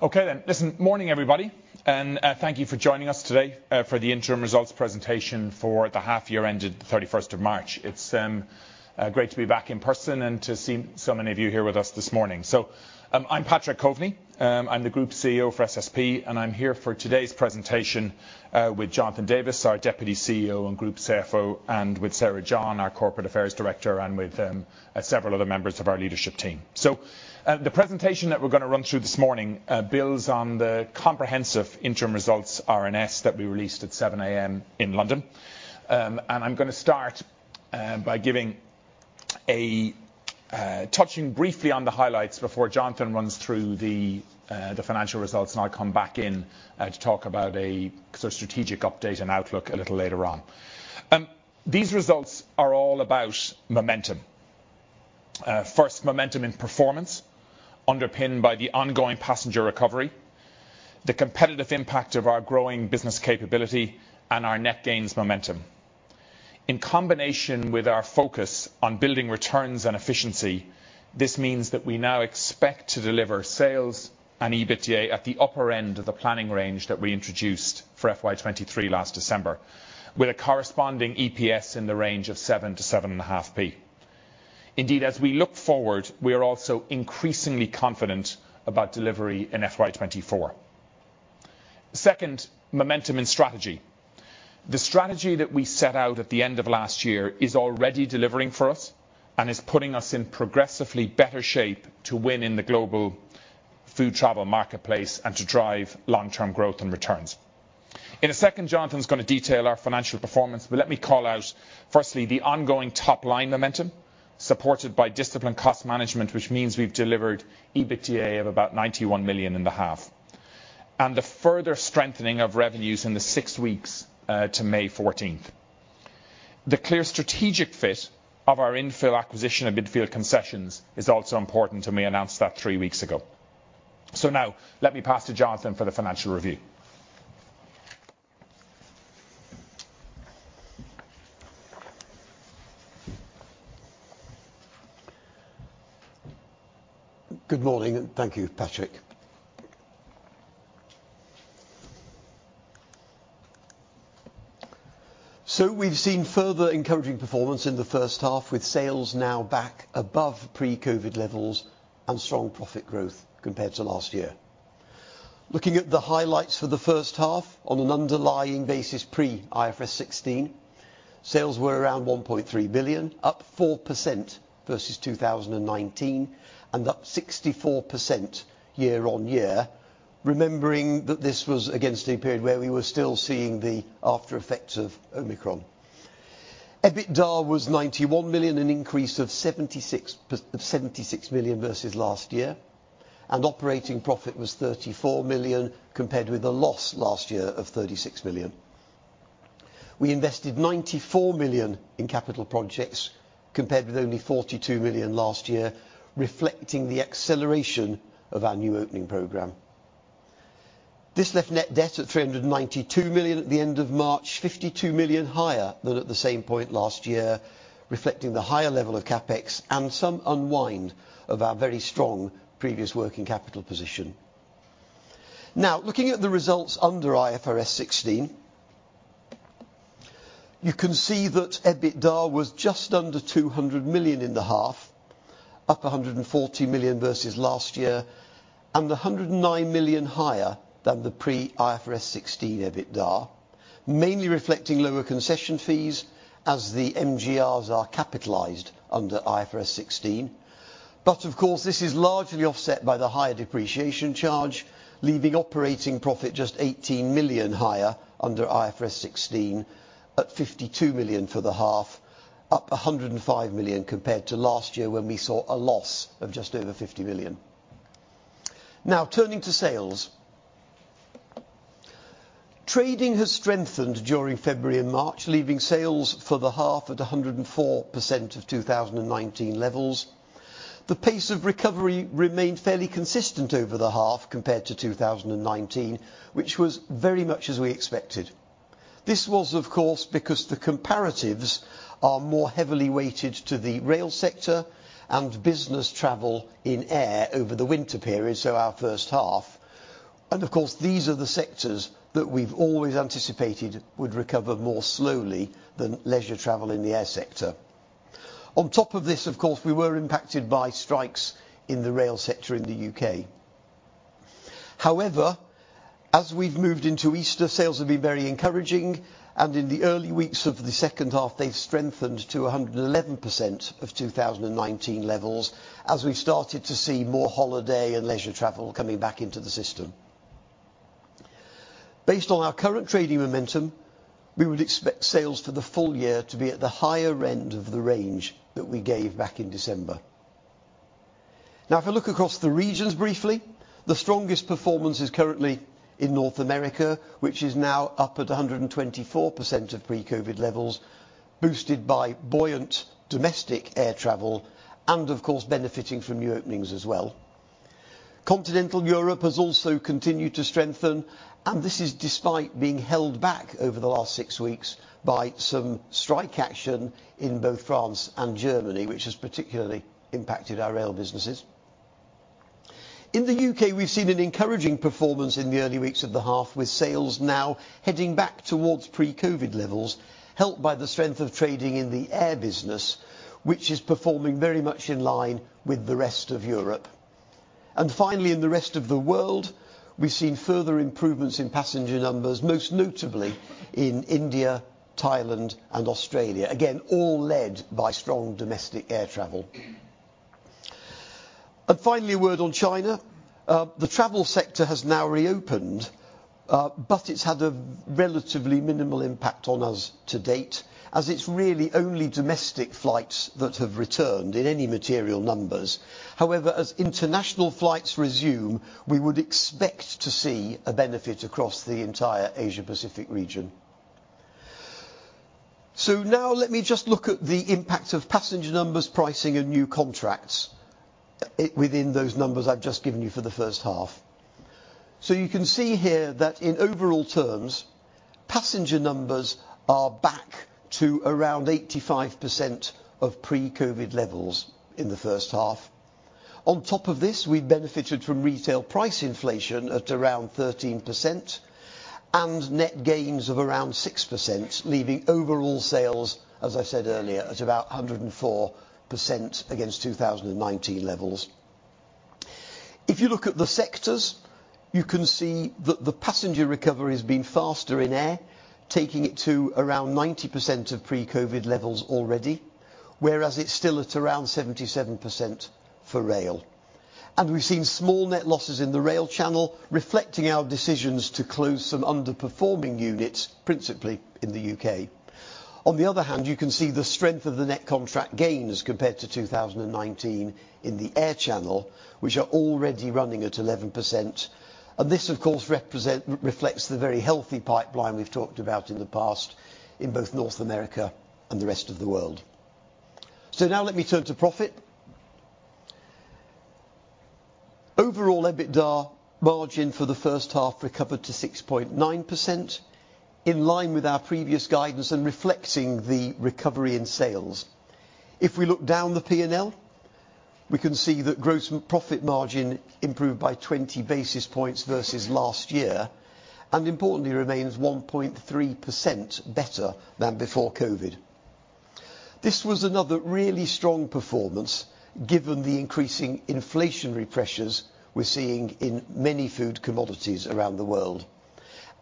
Okay. Listen, morning, everybody, thank you for joining us today for the interim results presentation for the half year ended 31st of March. It's great to be back in person and to see so many of you here with us this morning. I'm Patrick Coveney, I'm the Group CEO for SSP, I'm here for today's presentation with Jonathan Davies, our Deputy CEO and Group CFO, with Sarah John, our Corporate Affairs Director, with several other members of our leadership team. The presentation that we're gonna run through this morning builds on the comprehensive interim results RNS that we released at 7:00 A.M. in London. I'm gonna start by giving a touching briefly on the highlights before Jonathan runs through the financial results, and I'll come back in to talk about a sort of strategic update and outlook a little later on. These results are all about momentum. First momentum in performance underpinned by the ongoing passenger recovery, the competitive impact of our growing business capability, and our net gains momentum. In combination with our focus on building returns and efficiency, this means that we now expect to deliver sales and EBITDA at the upper end of the planning range that we introduced for FY23 last December, with a corresponding EPS in the range of 7p-7.5p. Indeed, as we look forward, we are also increasingly confident about delivery in FY24. Second, momentum and strategy. The strategy that we set out at the end of last year is already delivering for us and is putting us in progressively better shape to win in the global food travel marketplace and to drive long-term growth and returns. In a second, Jonathan's gonna detail our financial performance. Let me call out firstly the ongoing top-line momentum supported by disciplined cost management, which means we've delivered EBITDA of about 91 million in the half, and the further strengthening of revenues in the six weeks to May 14th. The clear strategic fit of our infill acquisition of Midfield Concessions is also important. We announced that three weeks ago. Now let me pass to Jonathan for the financial review. Good morning, thank you, Patrick. We've seen further encouraging performance in the first half with sales now back above pre-COVID levels and strong profit growth compared to last year. Looking at the highlights for the first half on an underlying basis pre-IFRS 16, sales were around 1.3 billion, up 4% versus 2019, and up 64% year-over-year, remembering that this was against a period where we were still seeing the after effects of Omicron. EBITDA was 91 million, an increase of 76 million versus last year, and operating profit was 34 million compared with a loss last year of 36 million. We invested 94 million in capital projects compared with only 42 million last year, reflecting the acceleration of our new opening program. This left net debt at 392 million at the end of March, 52 million higher than at the same point last year, reflecting the higher level of CapEx and some unwind of our very strong previous working capital position. Looking at the results under IFRS 16, you can see that EBITDA was just under 200 million in the half, up 140 million versus last year and 109 million higher than the pre-IFRS 16 EBITDA, mainly reflecting lower concession fees as the MGRs are capitalized under IFRS 16. Of course, this is largely offset by the higher depreciation charge, leaving operating profit just 18 million higher under IFRS 16 at 52 million for the half, up 105 million compared to last year when we saw a loss of just over 50 million. Now turning to sales. Trading has strengthened during February and March, leaving sales for the half at 104% of 2019 levels. The pace of recovery remained fairly consistent over the half compared to 2019, which was very much as we expected. This was of course because the comparatives are more heavily weighted to the rail sector and business travel in air over the winter period, so our first half. Of course, these are the sectors that we've always anticipated would recover more slowly than leisure travel in the air sector. On top of this, of course, we were impacted by strikes in the rail sector in the U.K. As we've moved into Easter, sales have been very encouraging and in the early weeks of the second half, they've strengthened to 111% of 2019 levels as we started to see more holiday and leisure travel coming back into the system. Based on our current trading momentum, we would expect sales for the full year to be at the higher end of the range that we gave back in December. If I look across the regions briefly, the strongest performance is currently in North America, which is now up at 124% of pre-COVID levels, boosted by buoyant domestic air travel and of course benefiting from new openings as well. Continental Europe has also continued to strengthen, this is despite being held back over the last six weeks by some strike action in both France and Germany, which has particularly impacted our rail businesses. In the U.K., we've seen an encouraging performance in the early weeks of the half, with sales now heading back towards pre-COVID levels, helped by the strength of trading in the air business, which is performing very much in line with the rest of Europe. Finally, in the rest of the world, we've seen further improvements in passenger numbers, most notably in India, Thailand and Australia, again, all led by strong domestic air travel. Finally, a word on China. The travel sector has now reopened, it's had a relatively minimal impact on us to date as it's really only domestic flights that have returned in any material numbers. However, as international flights resume, we would expect to see a benefit across the entire Asia-Pacific region. Now let me just look at the impact of passenger numbers, pricing and new contracts, within those numbers I've just given you for the first half. You can see here that in overall terms, passenger numbers are back to around 85% of pre-COVID levels in the first half. On top of this, we benefited from retail price inflation at around 13% and net gains of around 6%, leaving overall sales, as I said earlier, at about 104% against 2019 levels. If you look at the sectors, you can see that the passenger recovery has been faster in air, taking it to around 90% of pre-COVID levels already, whereas it's still at around 77% for rail. We've seen small net losses in the rail channel, reflecting our decisions to close some underperforming units, principally in the U.K. On the other hand, you can see the strength of the net contract gains compared to 2019 in the air channel, which are already running at 11%. This, of course, reflects the very healthy pipeline we've talked about in the past in both North America and the rest of the world. Now let me turn to profit. Overall, EBITDA margin for the first half recovered to 6.9%, in line with our previous guidance and reflecting the recovery in sales. If we look down the P&L, we can see that gross profit margin improved by 20 basis points versus last year, and importantly remains 1.3% better than before COVID. This was another really strong performance given the increasing inflationary pressures we're seeing in many food commodities around the world.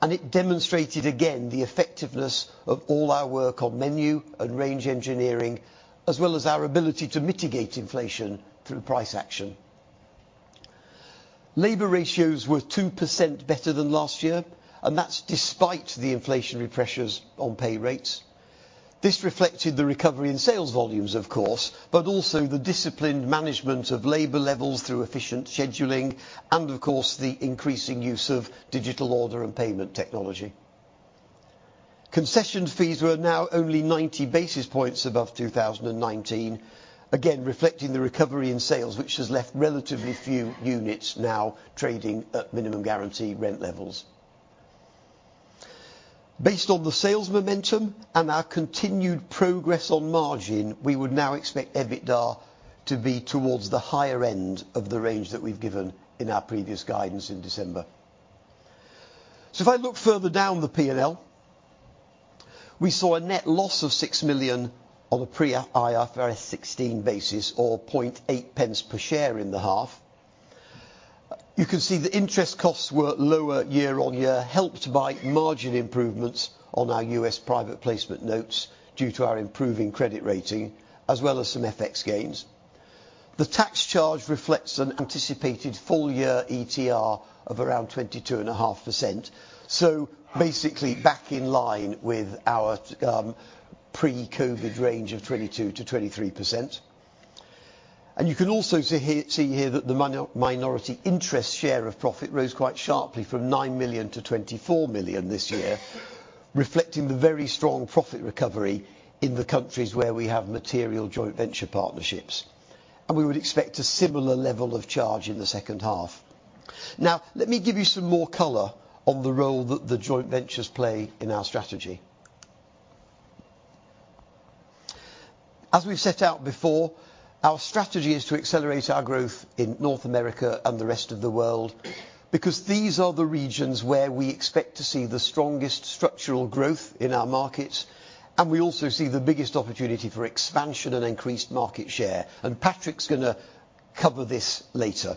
It demonstrated again the effectiveness of all our work on menu and range engineering, as well as our ability to mitigate inflation through price action. Labor ratios were 2% better than last year, and that's despite the inflationary pressures on pay rates. This reflected the recovery in sales volumes, of course, but also the disciplined management of labor levels through efficient scheduling and of course, the increasing use of digital order and payment technology. Concession fees were now only 90 basis points above 2019, again reflecting the recovery in sales, which has left relatively few units now trading at minimum guarantee rent levels. Based on the sales momentum and our continued progress on margin, we would now expect EBITDA to be towards the higher end of the range that we've given in our previous guidance in December. If I look further down the P&L, we saw a net loss of 6 million on a pre-IFRS 16 basis or 0.8 pence per share in the half. You can see that interest costs were lower year on year, helped by margin improvements on our US Private Placement notes due to our improving credit rating as well as some FX gains. The tax charge reflects an anticipated full year ETR of around 22.5%. Basically back in line with our pre-COVID range of 22%-23%. You can also see here that the minority interest share of profit rose quite sharply from 9 million-24 million this year, reflecting the very strong profit recovery in the countries where we have material joint venture partnerships. We would expect a similar level of charge in the second half. Now, let me give you some more color on the role that the joint ventures play in our strategy. As we've set out before, our strategy is to accelerate our growth in North America and the rest of the world because these are the regions where we expect to see the strongest structural growth in our markets. We also see the biggest opportunity for expansion and increased market share, and Patrick's gonna cover this later.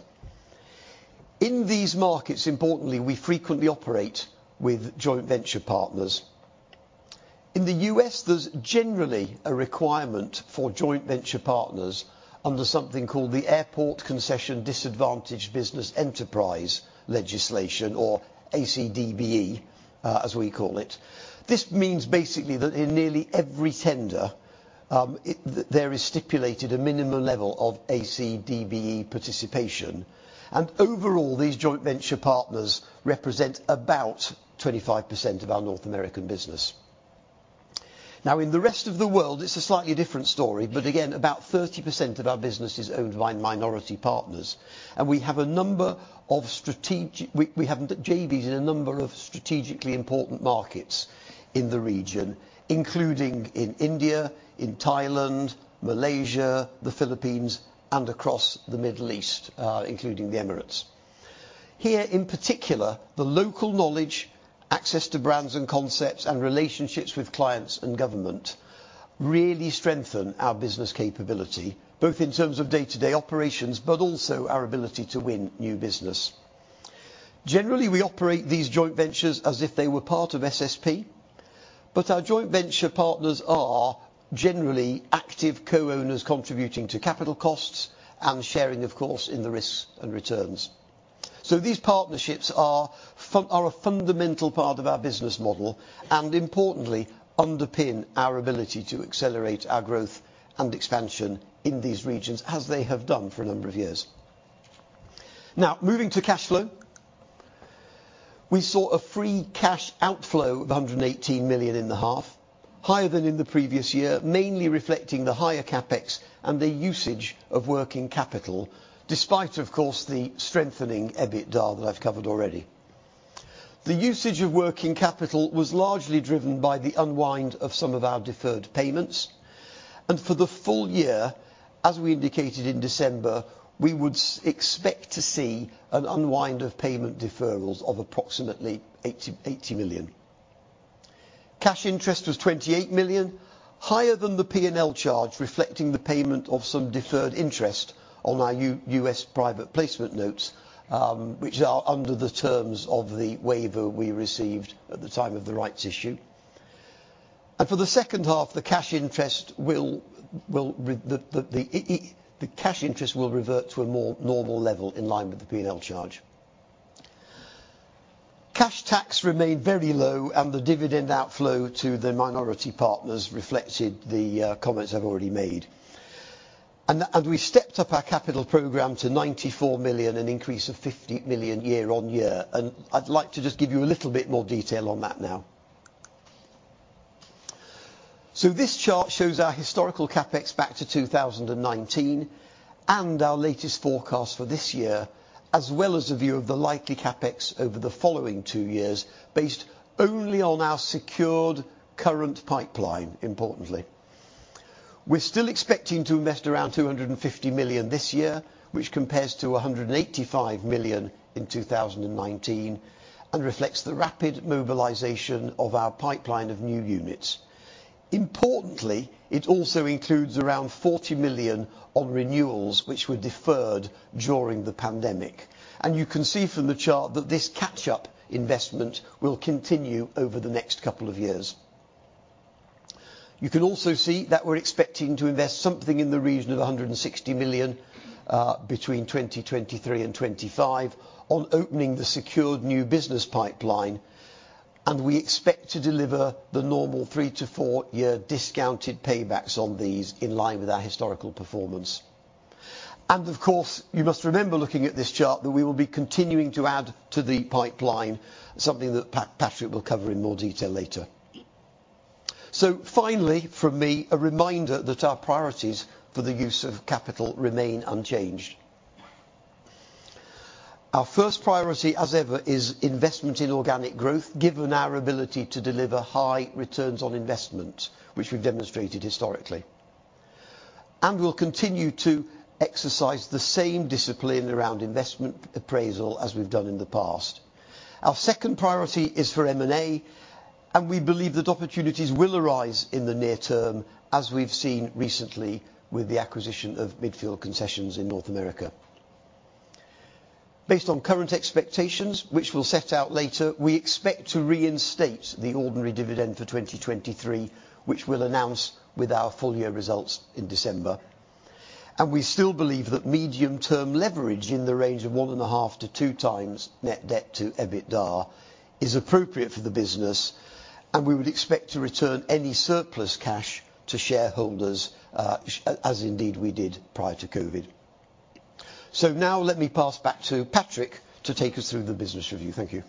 In these markets, importantly, we frequently operate with joint venture partners. In the U.S., there's generally a requirement for joint venture partners under something called the Airport Concession Disadvantaged Business Enterprise legislation, or ACDBE, as we call it. This means basically that in nearly every tender, there is stipulated a minimum level of ACDBE participation. Overall, these joint venture partners represent about 25% of our North American business. In the rest of the world, it's a slightly different story, but again, about 30% of our business is owned by minority partners. We have JVs in a number of strategically important markets in the region, including in India, in Thailand, Malaysia, the Philippines, and across the Middle East, including the Emirates. Here, in particular, the local knowledge, access to brands and concepts, and relationships with clients and government really strengthen our business capability, both in terms of day-to-day operations, but also our ability to win new business. Generally, we operate these joint ventures as if they were part of SSP, but our joint venture partners are generally active co-owners contributing to capital costs and sharing, of course, in the risks and returns. These partnerships are a fundamental part of our business model, and importantly, underpin our ability to accelerate our growth and expansion in these regions, as they have done for a number of years. Now, moving to cash flow. We saw a free cash outflow of 118 million in the half, higher than in the previous year, mainly reflecting the higher CapEx and the usage of working capital, despite, of course, the strengthening EBITDA that I've covered already. The usage of working capital was largely driven by the unwind of some of our deferred payments. For the full year, as we indicated in December, we would expect to see an unwind of payment deferrals of approximately 80 million. Cash interest was 28 million, higher than the P&L charge, reflecting the payment of some deferred interest on our U.S. private placement notes, which are under the terms of the waiver we received at the time of the rights issue. For the second half, the cash interest will revert to a more normal level in line with the P&L charge. Cash tax remained very low, the dividend outflow to the minority partners reflected the comments I've already made. We stepped up our capital program to 94 million, an increase of 50 million year-on-year. I'd like to just give you a little bit more detail on that now. This chart shows our historical CapEx back to 2019, and our latest forecast for this year, as well as a view of the likely CapEx over the following two years based only on our secured current pipeline, importantly. We're still expecting to invest around 250 million this year, which compares to 185 million in 2019, and reflects the rapid mobilization of our pipeline of new units. Importantly, it also includes around 40 million on renewals which were deferred during the pandemic. You can see from the chart that this catch-up investment will continue over the next couple of years. You can also see that we're expecting to invest something in the region of 160 million, between 2023 and 2025 on opening the secured new business pipeline, and we expect to deliver the normal 3-4-year discounted paybacks on these in line with our historical performance. Of course, you must remember looking at this chart that we will be continuing to add to the pipeline, something that Patrick will cover in more detail later. Finally, from me, a reminder that our priorities for the use of capital remain unchanged. Our first priority, as ever, is investment in organic growth, given our ability to deliver high returns on investment, which we've demonstrated historically. We'll continue to exercise the same discipline around investment appraisal as we've done in the past. Our second priority is for M&A, and we believe that opportunities will arise in the near term, as we've seen recently with the acquisition of Midfield Concession in North America. Based on current expectations, which we'll set out later, we expect to reinstate the ordinary dividend for 2023, which we'll announce with our full year results in December. We still believe that medium-term leverage in the range of 1.5x-2x net debt to EBITDA is appropriate for the business, and we would expect to return any surplus cash to shareholders, as indeed we did prior to COVID. Now let me pass back to Patrick to take us through the business review. Thank you.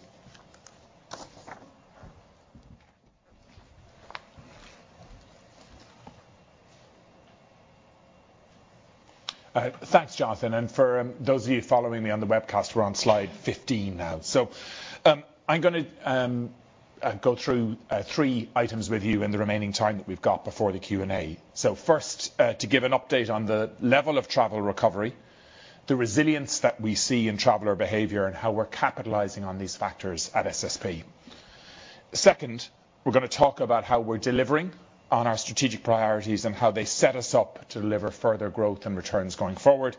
Thanks, Jonathan. For those of you following me on the webcast, we're on slide 15 now. I'm gonna go through three items with you in the remaining time that we've got before the Q&A. First, to give an update on the level of travel recovery, the resilience that we see in traveler behavior, and how we're capitalizing on these factors at SSP. Second, we're gonna talk about how we're delivering on our strategic priorities and how they set us up to deliver further growth and returns going forward.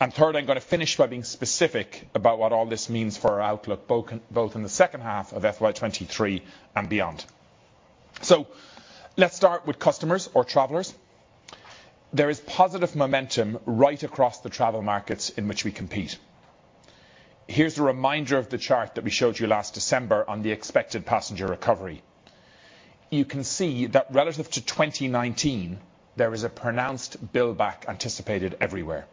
Third, I'm gonna finish by being specific about what all this means for our outlook, both in the second half of FY23 and beyond. Let's start with customers or travelers. There is positive momentum right across the travel markets in which we compete. Here's a reminder of the chart that we showed you last December on the expected passenger recovery. You can see that relative to 2019, there is a pronounced buildback anticipated everywhere.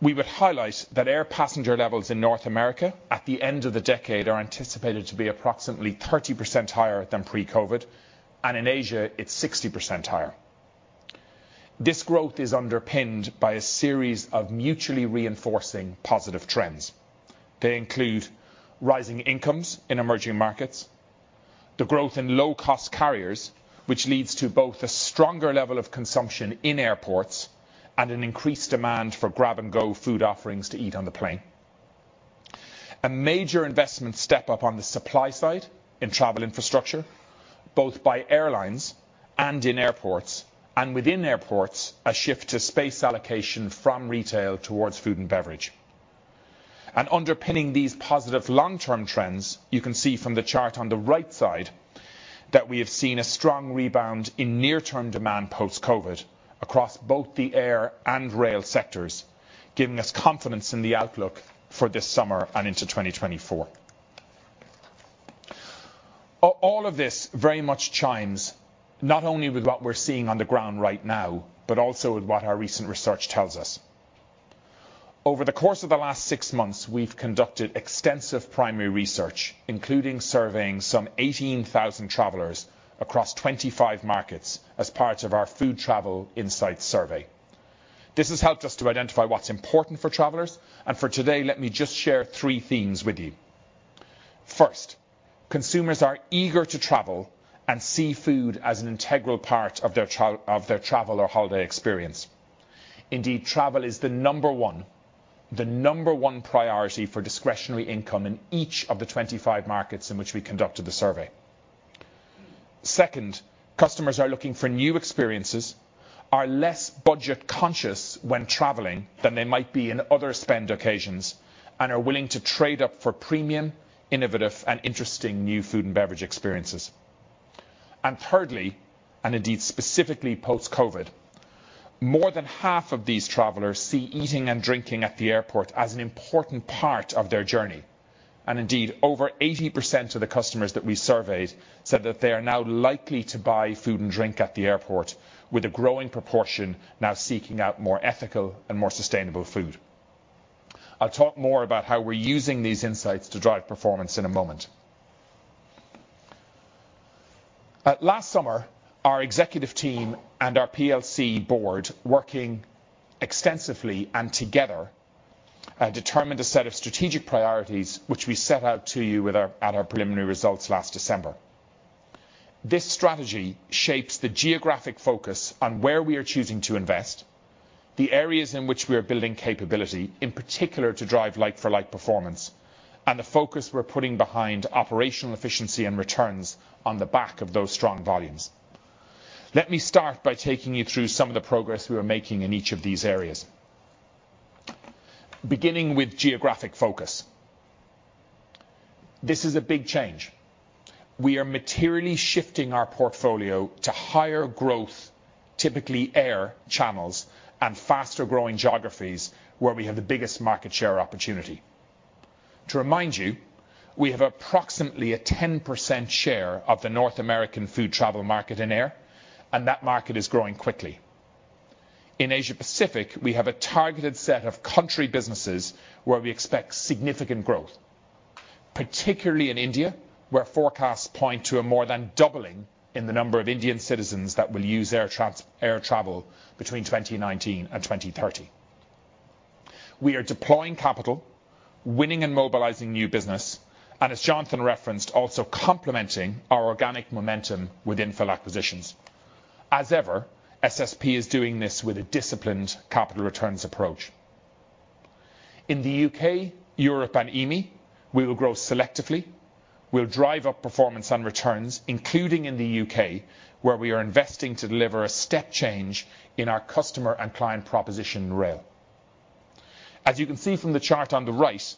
We would highlight that air passenger levels in North America at the end of the decade are anticipated to be approximately 30% higher than pre-COVID, and in Asia it's 60% higher. This growth is underpinned by a series of mutually reinforcing positive trends. They include rising incomes in emerging markets, the growth in low-cost carriers, which leads to both a stronger level of consumption in airports and an increased demand for grab-and-go food offerings to eat on the plane. A major investment step up on the supply side in travel infrastructure, both by airlines and in airports, and within airports, a shift to space allocation from retail towards food and beverage. Underpinning these positive long-term trends, you can see from the chart on the right side that we have seen a strong rebound in near-term demand post-COVID across both the air and rail sectors, giving us confidence in the outlook for this summer and into 2024. All of this very much chimes not only with what we're seeing on the ground right now, but also with what our recent research tells us. Over the course of the last six months, we've conducted extensive primary research, including surveying some 18,000 travelers across 25 markets as part of our Food Travel Insights Survey. This has helped us to identify what's important for travelers, for today, let me just share three themes with you. First, consumers are eager to travel and see food as an integral part of their travel or holiday experience. Indeed, travel is the number one, the number one priority for discretionary income in each of the 25 markets in which we conducted the survey. Second, customers are looking for new experiences, are less budget-conscious when traveling than they might be in other spend occasions, and are willing to trade up for premium, innovative, and interesting new food and beverage experiences. Thirdly, and indeed specifically post-COVID, more than half of these travelers see eating and drinking at the airport as an important part of their journey. Indeed, over 80% of the customers that we surveyed said that they are now likely to buy food and drink at the airport with a growing proportion now seeking out more ethical and more sustainable food. I'll talk more about how we're using these insights to drive performance in a moment. Last summer, our executive team and our PLC board, working extensively and together, determined a set of strategic priorities which we set out to you at our preliminary results last December. This strategy shapes the geographic focus on where we are choosing to invest, the areas in which we are building capability, in particular to drive like-for-like performance, and the focus we're putting behind operational efficiency and returns on the back of those strong volumes. Let me start by taking you through some of the progress we are making in each of these areas. Beginning with geographic focus. This is a big change. We are materially shifting our portfolio to higher growth, typically air channels and faster-growing geographies where we have the biggest market share opportunity. To remind you, we have approximately a 10% share of the North American food travel market in air. That market is growing quickly. In Asia-Pacific, we have a targeted set of country businesses where we expect significant growth, particularly in India, where forecasts point to a more than doubling in the number of Indian citizens that will use air travel between 2019 and 2030. We are deploying capital, winning and mobilizing new business, as Jonathan referenced, also complementing our organic momentum with infill acquisitions. As ever, SSP is doing this with a disciplined capital returns approach. In the U.K., Europe, and EMEA, we will grow selectively. We'll drive up performance on returns, including in the U.K., where we are investing to deliver a step change in our customer and client proposition rail. As you can see from the chart on the right,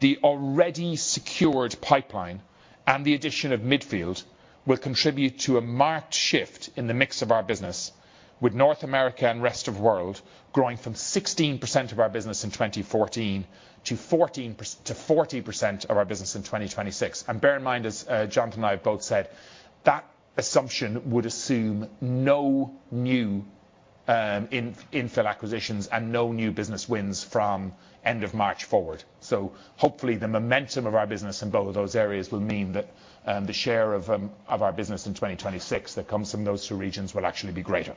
the already secured pipeline and the addition of Midfield will contribute to a marked shift in the mix of our business with North America and rest of world growing from 16% of our business in 2014 to 40% of our business in 2026. Bear in mind, as Jonathan and I have both said, that assumption would assume no new infill acquisitions and no new business wins from end of March forward. Hopefully, the momentum of our business in both of those areas will mean that the share of our business in 2026 that comes from those two regions will actually be greater.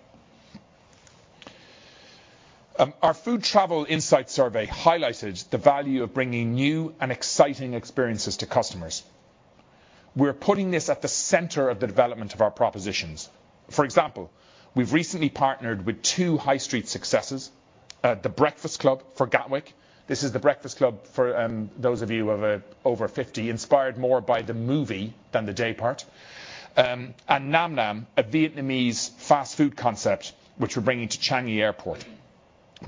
Our Food Travel Insights Survey highlighted the value of bringing new and exciting experiences to customers. We're putting this at the center of the development of our propositions. For example, we've recently partnered with two high street successes, The Breakfast Club for Gatwick. This is The Breakfast Club for those of you over 50, inspired more by the movie than the day part. NamNam, a Vietnamese fast food concept which we're bringing to Changi Airport.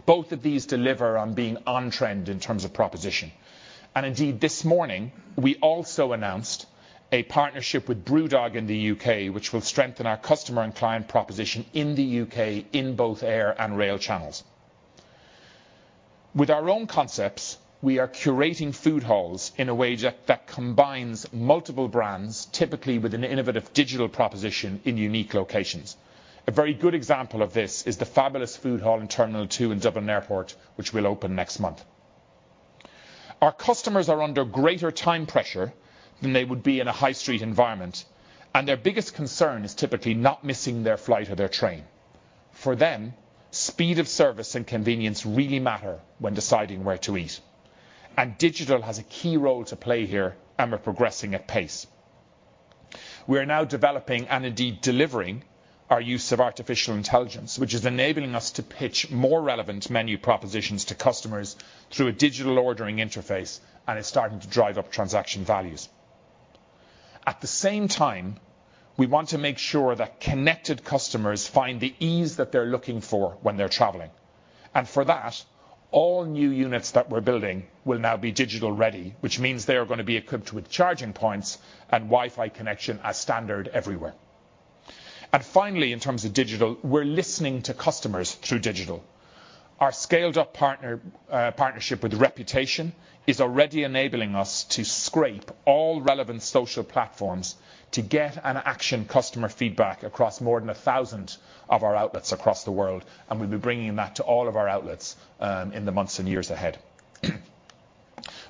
Both of these deliver on being on trend in terms of proposition. Indeed, this morning, we also announced a partnership with BrewDog in the U.K., which will strengthen our customer and client proposition in the U.K. in both air and rail channels. With our own concepts, we are curating food halls in a way that combines multiple brands, typically with an innovative digital proposition in unique locations. A very good example of this is the fabulous food hall in Terminal 2 in Dublin Airport, which will open next month. Our customers are under greater time pressure than they would be in a high street environment, and their biggest concern is typically not missing their flight or their train. For them, speed of service and convenience really matter when deciding where to eat. Digital has a key role to play here and we're progressing at pace. We are now developing and indeed delivering our use of artificial intelligence, which is enabling us to pitch more relevant menu propositions to customers through a digital ordering interface. It's starting to drive up transaction values. At the same time, we want to make sure that connected customers find the ease that they're looking for when they're traveling. For that, all new units that we're building will now be digital ready, which means they are gonna be equipped with charging points and Wi-Fi connection as standard everywhere. Finally, in terms of digital, we're listening to customers through digital. Our scaled up partner, partnership with Reputation is already enabling us to scrape all relevant social platforms to get an action customer feedback across more than 1,000 of our outlets across the world, and we'll be bringing that to all of our outlets in the months and years ahead.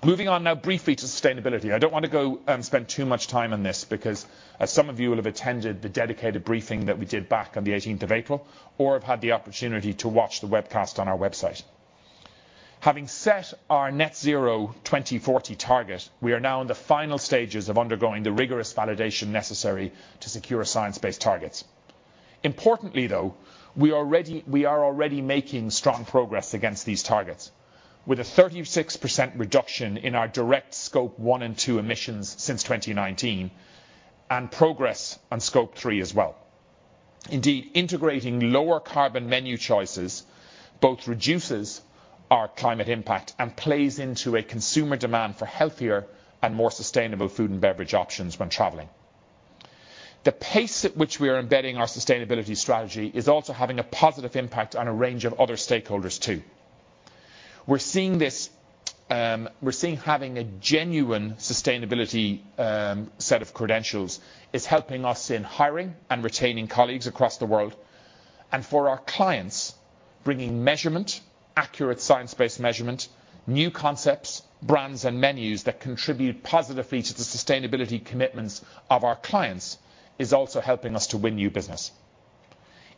Moving on now briefly to sustainability. I don't wanna go and spend too much time on this because as some of you will have attended the dedicated briefing that we did back on the 18th of April, or have had the opportunity to watch the webcast on our website. Having set our net zero by 2040 target, we are now in the final stages of undergoing the rigorous validation necessary to secure Science Based Targets. Importantly though, we are already making strong progress against these targets with a 36% reduction in our direct Scope 1 and 2 emissions since 2019, and progress on Scope 3 as well. Integrating lower carbon menu choices both reduces our climate impact and plays into a consumer demand for healthier and more sustainable food and beverage options when traveling. The pace at which we are embedding our sustainability strategy is also having a positive impact on a range of other stakeholders too. We're seeing this. We're seeing having a genuine sustainability set of credentials is helping us in hiring and retaining colleagues across the world, and for our clients, bringing measurement, accurate science-based measurement, new concepts, brands, and menus that contribute positively to the sustainability commitments of our clients, is also helping us to win new business.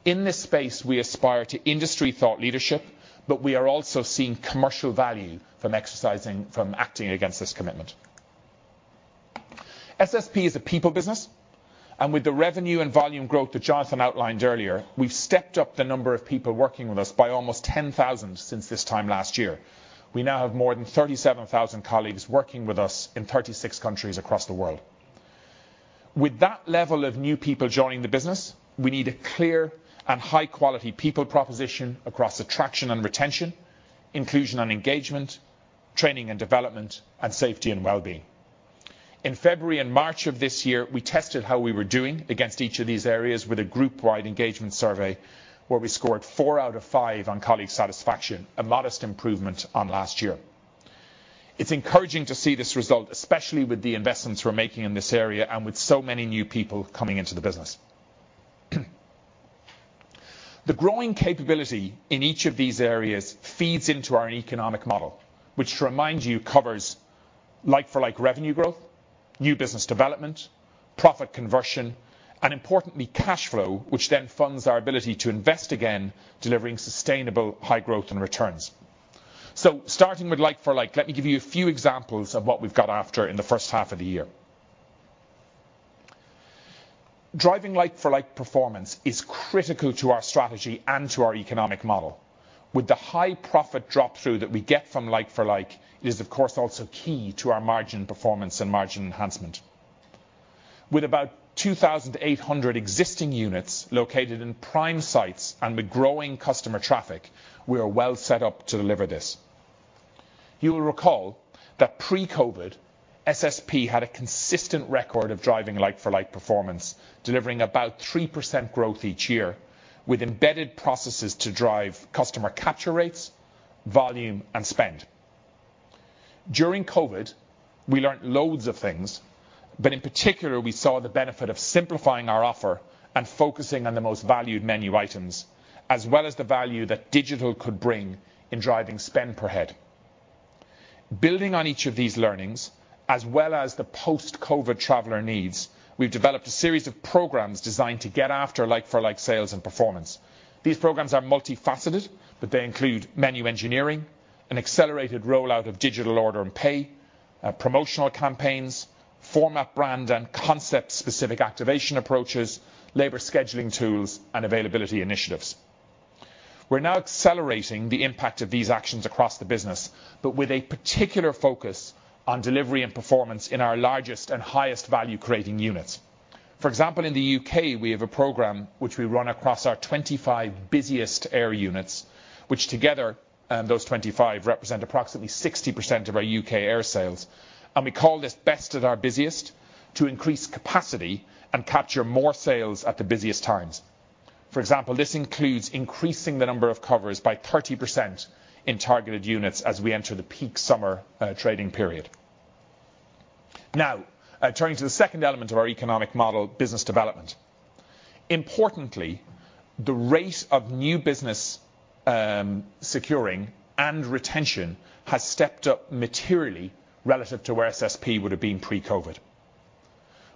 In this space, we aspire to industry thought leadership, but we are also seeing commercial value from acting against this commitment. SSP is a people business, and with the revenue and volume growth that Jonathan outlined earlier, we've stepped up the number of people working with us by almost 10,000 since this time last year. We now have more than 37,000 colleagues working with us in 36 countries across the world. With that level of new people joining the business, we need a clear and high-quality people proposition across attraction and retention, inclusion and engagement, training and development, and safety and wellbeing. In February and March of this year, we tested how we were doing against each of these areas with a group-wide engagement survey, where we scored 4 out of 5 on colleague satisfaction, a modest improvement on last year. It's encouraging to see this result, especially with the investments we're making in this area and with so many new people coming into the business. The growing capability in each of these areas feeds into our economic model, which to remind you, covers like-for-like revenue growth, new business development, profit conversion, and importantly, cash flow, which then funds our ability to invest again, delivering sustainable high growth and returns. Starting with like-for-like, let me give you a few examples of what we've got after in the first half of the year. Driving like-for-like performance is critical to our strategy and to our economic model. With the high profit drop-through that we get from like-for-like, it is of course also key to our margin performance and margin enhancement. With about 2,800 existing units located in prime sites and with growing customer traffic, we are well set up to deliver this. You'll recall that pre-COVID, SSP had a consistent record of driving like-for-like performance, delivering about 3% growth each year with embedded processes to drive customer capture rates, volume, and spend. During COVID, we learned loads of things, but in particular, we saw the benefit of simplifying our offer and focusing on the most valued menu items as well as the value that digital could bring in driving spend per head. Building on each of these learnings, as well as the post-COVID traveler needs, we've developed a series of programs designed to get after like for like sales and performance. These programs are multifaceted, but they include menu engineering, an accelerated rollout of digital order and pay, promotional campaigns, format brand and concept specific activation approaches, labor scheduling tools, and availability initiatives. We're now accelerating the impact of these actions across the business, but with a particular focus on delivery and performance in our largest and highest value-creating units. For example, in the U.K., we have a program which we run across our 25 busiest air units, which together, those 25 represent approximately 60% of our U.K. air sales. We call this Best at our busiest to increase capacity and capture more sales at the busiest times. For example, this includes increasing the number of covers by 30% in targeted units as we enter the peak summer trading period. Now, turning to the second element of our economic model, business development. Importantly, the rate of new business, securing and retention has stepped up materially relative to where SSP would have been pre-COVID.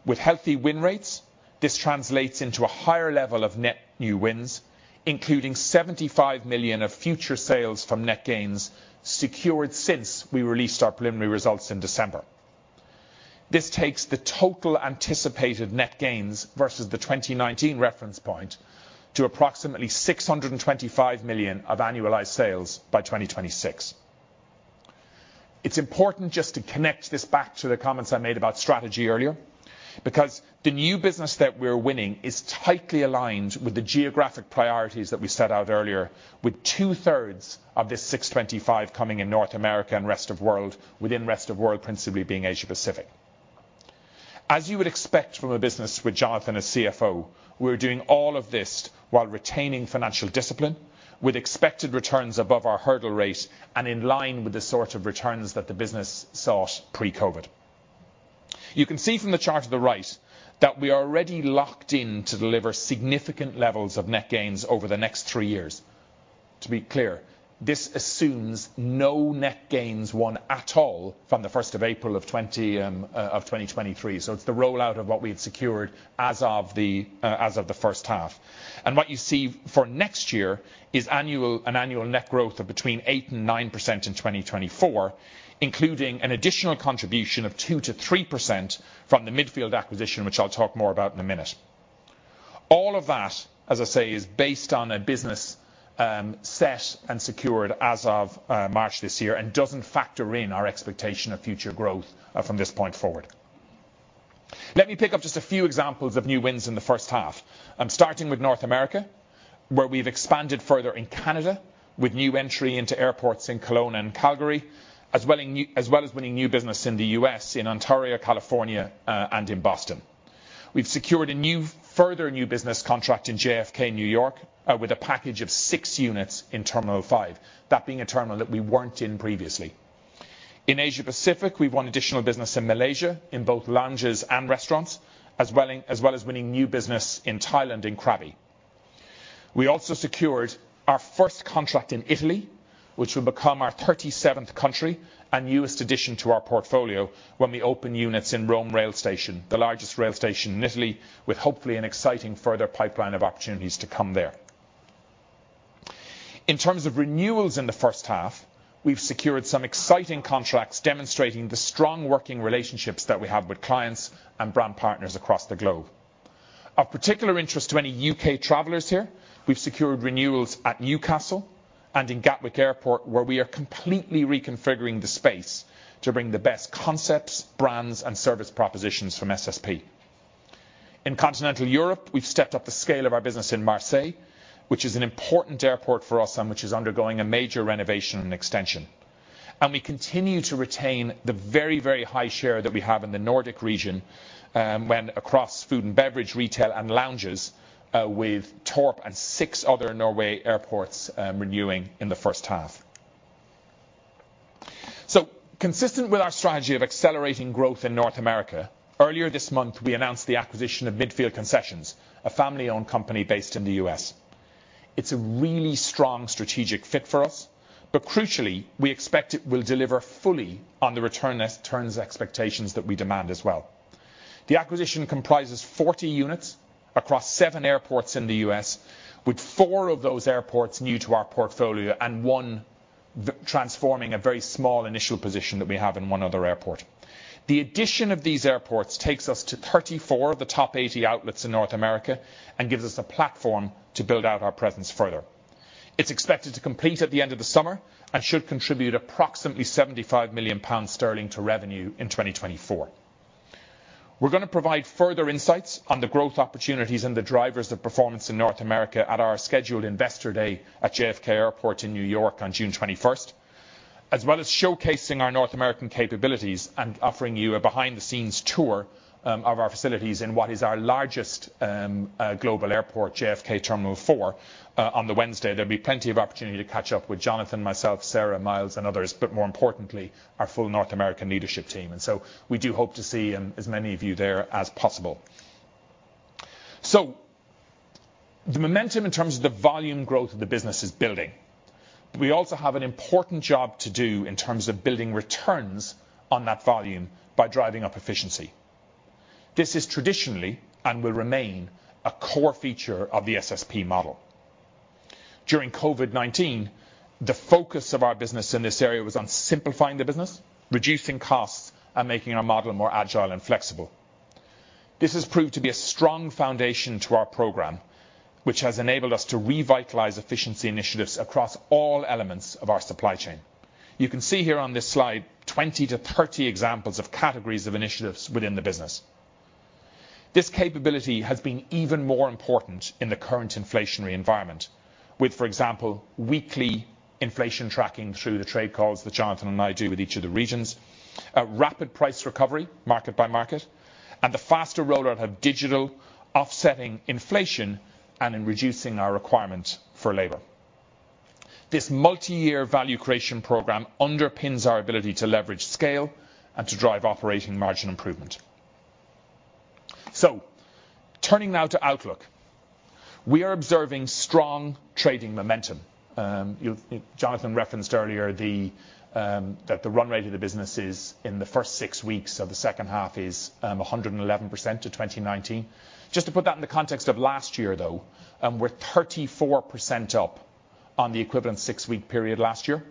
With healthy win rates, this translates into a higher level of net new wins, including 75 million of future sales from net gains secured since we released our preliminary results in December. This takes the total anticipated net gains versus the 2019 reference point to approximately 625 million of annualized sales by 2026. It's important just to connect this back to the comments I made about strategy earlier, because the new business that we're winning is tightly aligned with the geographic priorities that we set out earlier, with two-thirds of this 625 million coming in North America and rest of world, within rest of world, principally being Asia-Pacific. As you would expect from a business with Jonathan as CFO, we're doing all of this while retaining financial discipline with expected returns above our hurdle rate and in line with the sort of returns that the business sought pre-COVID. You can see from the chart on the right that we are already locked in to deliver significant levels of net gains over the next three years. To be clear, this assumes no net gains won at all from the first of April of 2023. It's the rollout of what we had secured as of the first half. What you see for next year is an annual net growth of between 8%-9% in 2024, including an additional contribution of 2%-3% from the Midfield acquisition, which I'll talk more about in a minute. All of that, as I say, is based on a business set and secured as of March this year and doesn't factor in our expectation of future growth from this point forward. Let me pick up just a few examples of new wins in the first half. I'm starting with North America, where we've expanded further in Canada with new entry into airports in Kelowna and Calgary, as well as winning new business in the U.S., in Ontario, California, and in Boston. We've secured further new business contract in JFK, New York, with a package of six units in Terminal five, that being a terminal that we weren't in previously. In Asia-Pacific, we've won additional business in Malaysia in both lounges and restaurants, as well as winning new business in Thailand, in Krabi. We also secured our first contract in Italy, which will become our 37th country and newest addition to our portfolio when we open units in Rome Rail Station, the largest rail station in Italy, with hopefully an exciting further pipeline of opportunities to come there. In terms of renewals in the first half, we've secured some exciting contracts demonstrating the strong working relationships that we have with clients and brand partners across the globe. Of particular interest to any U.K. travelers here, we've secured renewals at Newcastle and in Gatwick Airport, where we are completely reconfiguring the space to bring the best concepts, brands, and service propositions from SSP. In continental Europe, we've stepped up the scale of our business in Marseille, which is an important airport for us and which is undergoing a major renovation and extension. We continue to retain the very, very high share that we have in the Nordic region, when across food and beverage, retail, and lounges, with Torp and six other Norway airports, renewing in the first half. Consistent with our strategy of accelerating growth in North America, earlier this month, we announced the acquisition of Midfield Concessions, a family-owned company based in the U.S. It's a really strong strategic fit for us, but crucially, we expect it will deliver fully on the returns expectations that we demand as well. The acquisition comprises 40 units across seven airports in the U.S., with four of those airports new to our portfolio and transforming a very small initial position that we have in one other airport. The addition of these airports takes us to 34 of the top 80 outlets in North America and gives us a platform to build out our presence further. It's expected to complete at the end of the summer and should contribute approximately 75 million sterling to revenue in 2024. We're gonna provide further insights on the growth opportunities and the drivers of performance in North America at our scheduled Investor Day at JFK Airport in New York on June 21st, as well as showcasing our North American capabilities and offering you a behind-the-scenes tour of our facilities in what is our largest global airport, JFK Terminal 4, on the Wednesday. There'll be plenty of opportunity to catch up with Jonathan, myself, Sarah, Miles, and others, but more importantly, our full North American leadership team. We do hope to see as many of you there as possible. The momentum in terms of the volume growth of the business is building, but we also have an important job to do in terms of building returns on that volume by driving up efficiency. This is traditionally and will remain a core feature of the SSP model. During COVID-19, the focus of our business in this area was on simplifying the business, reducing costs, and making our model more agile and flexible. This has proved to be a strong foundation to our program, which has enabled us to revitalize efficiency initiatives across all elements of our supply chain. You can see here on this slide 20-30 examples of categories of initiatives within the business. This capability has been even more important in the current inflationary environment with, for example, weekly inflation tracking through the trade calls that Jonathan and I do with each of the regions, a rapid price recovery market by market, and the faster rollout of digital offsetting inflation and in reducing our requirement for labor. This multi-year value creation program underpins our ability to leverage scale and to drive operating margin improvement. Turning now to outlook. We are observing strong trading momentum. Jonathan referenced earlier that the run rate of the business is in the first six weeks of the second half is 111% to 2019. Just to put that in the context of last year, though, we're 34% up on the equivalent six-week period last year.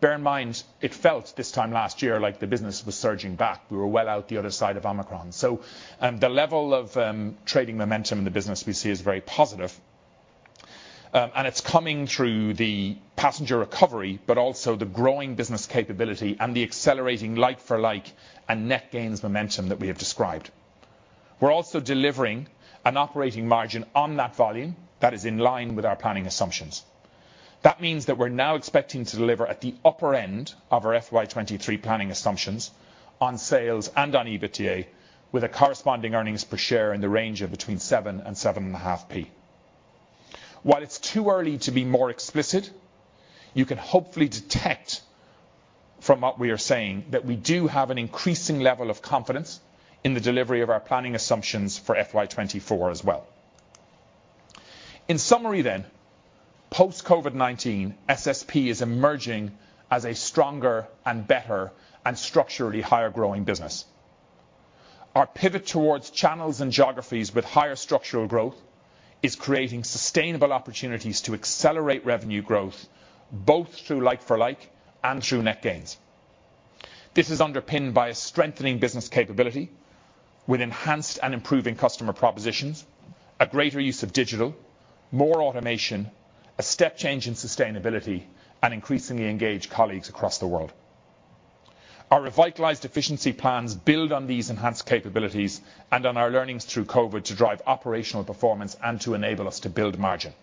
Bear in mind, it felt this time last year like the business was surging back, we were well out the other side of Omicron. The level of trading momentum in the business we see is very positive, it's coming through the passenger recovery, but also the growing business capability and the accelerating like-for-like and net gains momentum that we have described. We're also delivering an operating margin on that volume that is in line with our planning assumptions. That means that we're now expecting to deliver at the upper end of our FY23 planning assumptions on sales and on EBITDA, with a corresponding earnings per share in the range of between 0.07 and 0.075. While it's too early to be more explicit, you can hopefully detect from what we are saying that we do have an increasing level of confidence in the delivery of our planning assumptions for FY24 as well. In summary, post COVID-19, SSP is emerging as a stronger and better and structurally higher growing business. Our pivot towards channels and geographies with higher structural growth is creating sustainable opportunities to accelerate revenue growth, both through like-for-like and through net gains. This is underpinned by a strengthening business capability with enhanced and improving customer propositions, a greater use of digital, more automation, a step change in sustainability, and increasingly engaged colleagues across the world. Our revitalized efficiency plans build on these enhanced capabilities and on our learnings through COVID to drive operational performance and to enable us to build margin.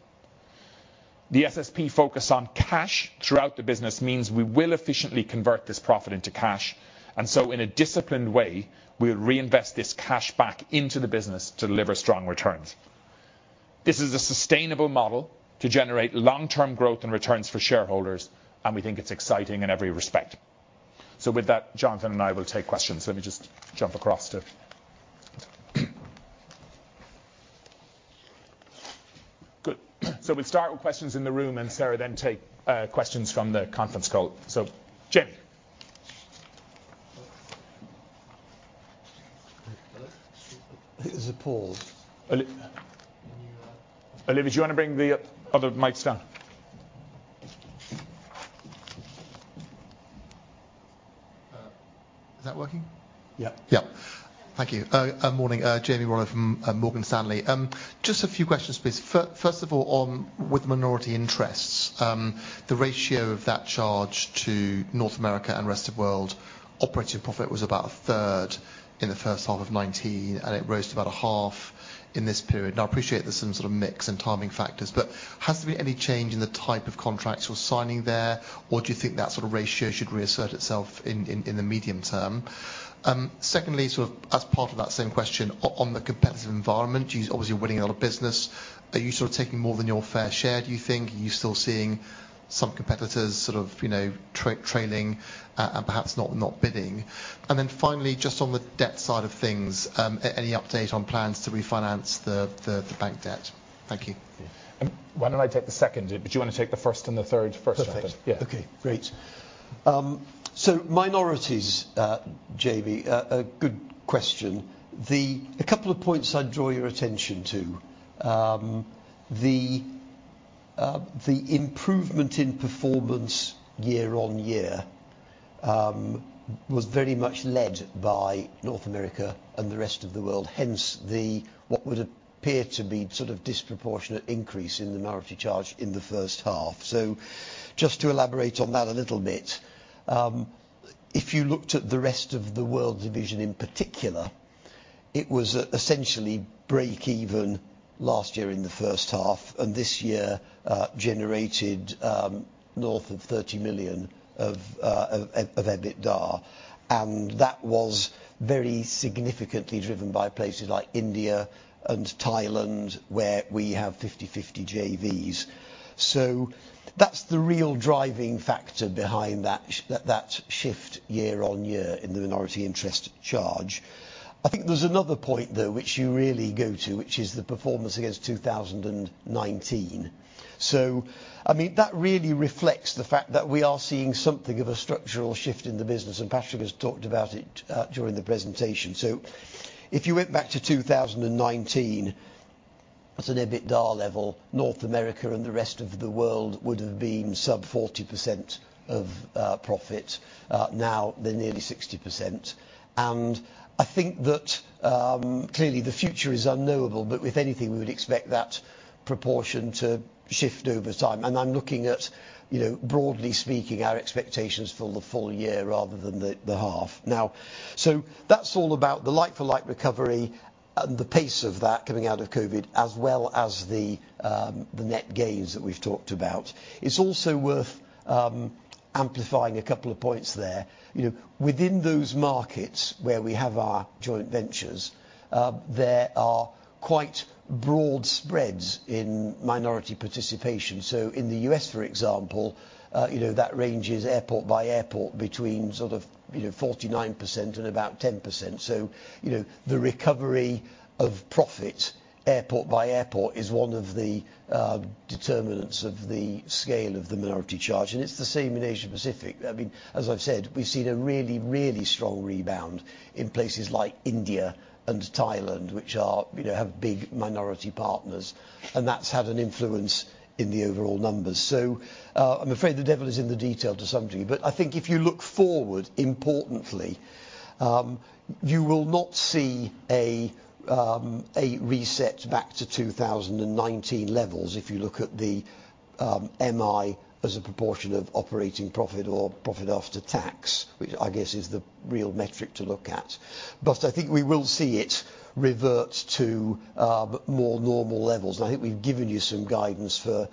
The SSP focus on cash throughout the business means we will efficiently convert this profit into cash, and so in a disciplined way, we'll reinvest this cash back into the business to deliver strong returns. This is a sustainable model to generate long-term growth and returns for shareholders, and we think it's exciting in every respect. With that, Jonathan and I will take questions. We'll start with questions in the room, and Sarah then take questions from the conference call. Jamie. There's a pause. Oli- Can you? Olivia, do you wanna bring the other mics down? Is that working? Yeah. Yeah. Thank you. Morning. Jamie Rollo from Morgan Stanley. Just a few questions, please. First of all, on with minority interests, the ratio of that charge to North America and rest of world operating profit was about a third in the first half of 2019, and it rose to about a half in this period. I appreciate there's some sort of mix and timing factors, has there been any change in the type of contracts you're signing there, or do you think that sort of ratio should reassert itself in the medium term? Secondly, sort of as part of that same question on the competitive environment, you obviously you're winning a lot of business. Are you sort of taking more than your fair share, do you think? Are you still seeing some competitors sort of, you know, trailing, and perhaps not bidding? Finally, just on the debt side of things, any update on plans to refinance the bank debt? Thank you. Why don't I take the second? Do you want to take the first and the third first, Jonathan? Perfect. Yeah. Okay, great. Minorities, Jamie, a good question. A couple of points I'd draw your attention to. The improvement in performance year-over-year was very much led by North America and the rest of the world. What would appear to be sort of disproportionate increase in the minority charge in the first half. Just to elaborate on that a little bit, if you looked at the rest of the world division in particular, it was essentially break even last year in the first half, and this year generated north of 30 million of EBITDA. That was very significantly driven by places like India and Thailand, where we have 50/50 JVs. That's the real driving factor behind that shift year on year in the minority interest charge. I think there's another point, though, which you really go to, which is the performance against 2019. I mean, that really reflects the fact that we are seeing something of a structural shift in the business, and Patrick has talked about it during the presentation. If you went back to 2019 at an EBITDA level, North America and the rest of the world would have been sub 40% of profit. Now they're nearly 60%. I think that clearly the future is unknowable, but if anything, we would expect that proportion to shift over time. I'm looking at, you know, broadly speaking, our expectations for the full year rather than the half. That's all about the like-for-like recovery and the pace of that coming out of COVID-19, as well as the net gains that we've talked about. It's also worth amplifying a couple of points there. You know, within those markets where we have our joint ventures, there are quite broad spreads in minority participation. In the U.S., for example, you know, that ranges airport by airport between sort of, you know, 49% and about 10%. You know, the recovery of profit airport by airport is one of the determinants of the scale of the minority charge, and it's the same in Asia Pacific. I mean, as I've said, we've seen a really, really strong rebound in places like India and Thailand, which are, you know, have big minority partners, and that's had an influence in the overall numbers. I'm afraid the devil is in the detail to some degree, but I think if you look forward importantly, you will not see a reset back to 2019 levels if you look at the MI as a proportion of operating profit or profit after tax which I guess is the real metric to look at. I think we will see it revert to more normal levels, and I think we've given you some guidance for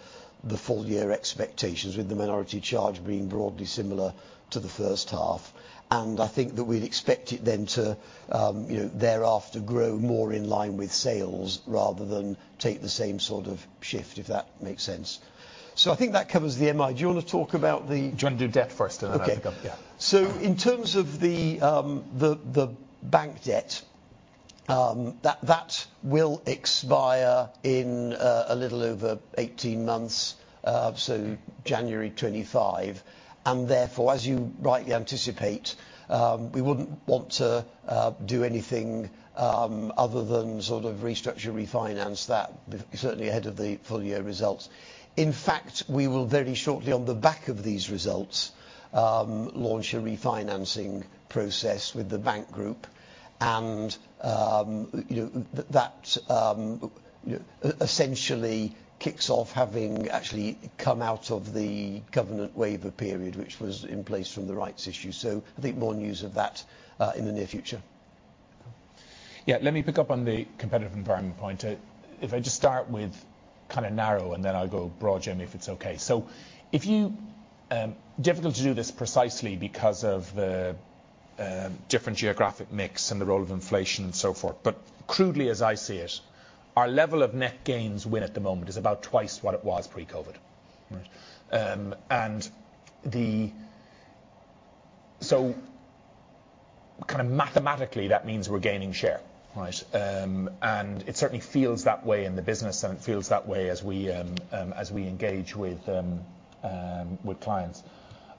the full year expectations with the minority charge being broadly similar to the first half. I think that we'd expect it then to, you know, thereafter grow more in line with sales rather than take the same sort of shift, if that makes sense. I think that covers the MI. Do you want to talk about the. Do you want to do debt first. And then I can come? Yeah. Okay. In terms of the bank debt that will expire in a little over 18 months, January 2025. Therefore, as you rightly anticipate, we wouldn't want to do anything other than sort of restructure, refinance that certainly ahead of the full year results. In fact, we will very shortly, on the back of these results, launch a refinancing process with the bank group, and, you know, that essentially kicks off having actually come out of the covenant waiver period, which was in place from the rights issue. I think more news of that in the near future. Let me pick up on the competitive environment point. If I just start with kind of narrow, and then I'll go broad, Jamie, if it's okay. If you, difficult to do this precisely because of the different geographic mix and the role of inflation and so forth, but crudely, as I see it, our level of net gains win at the moment is about twice what it was pre-COVID. Right? Kind of mathematically, that means we're gaining share, right? And it certainly feels that way in the business, and it feels that way as we engage with clients.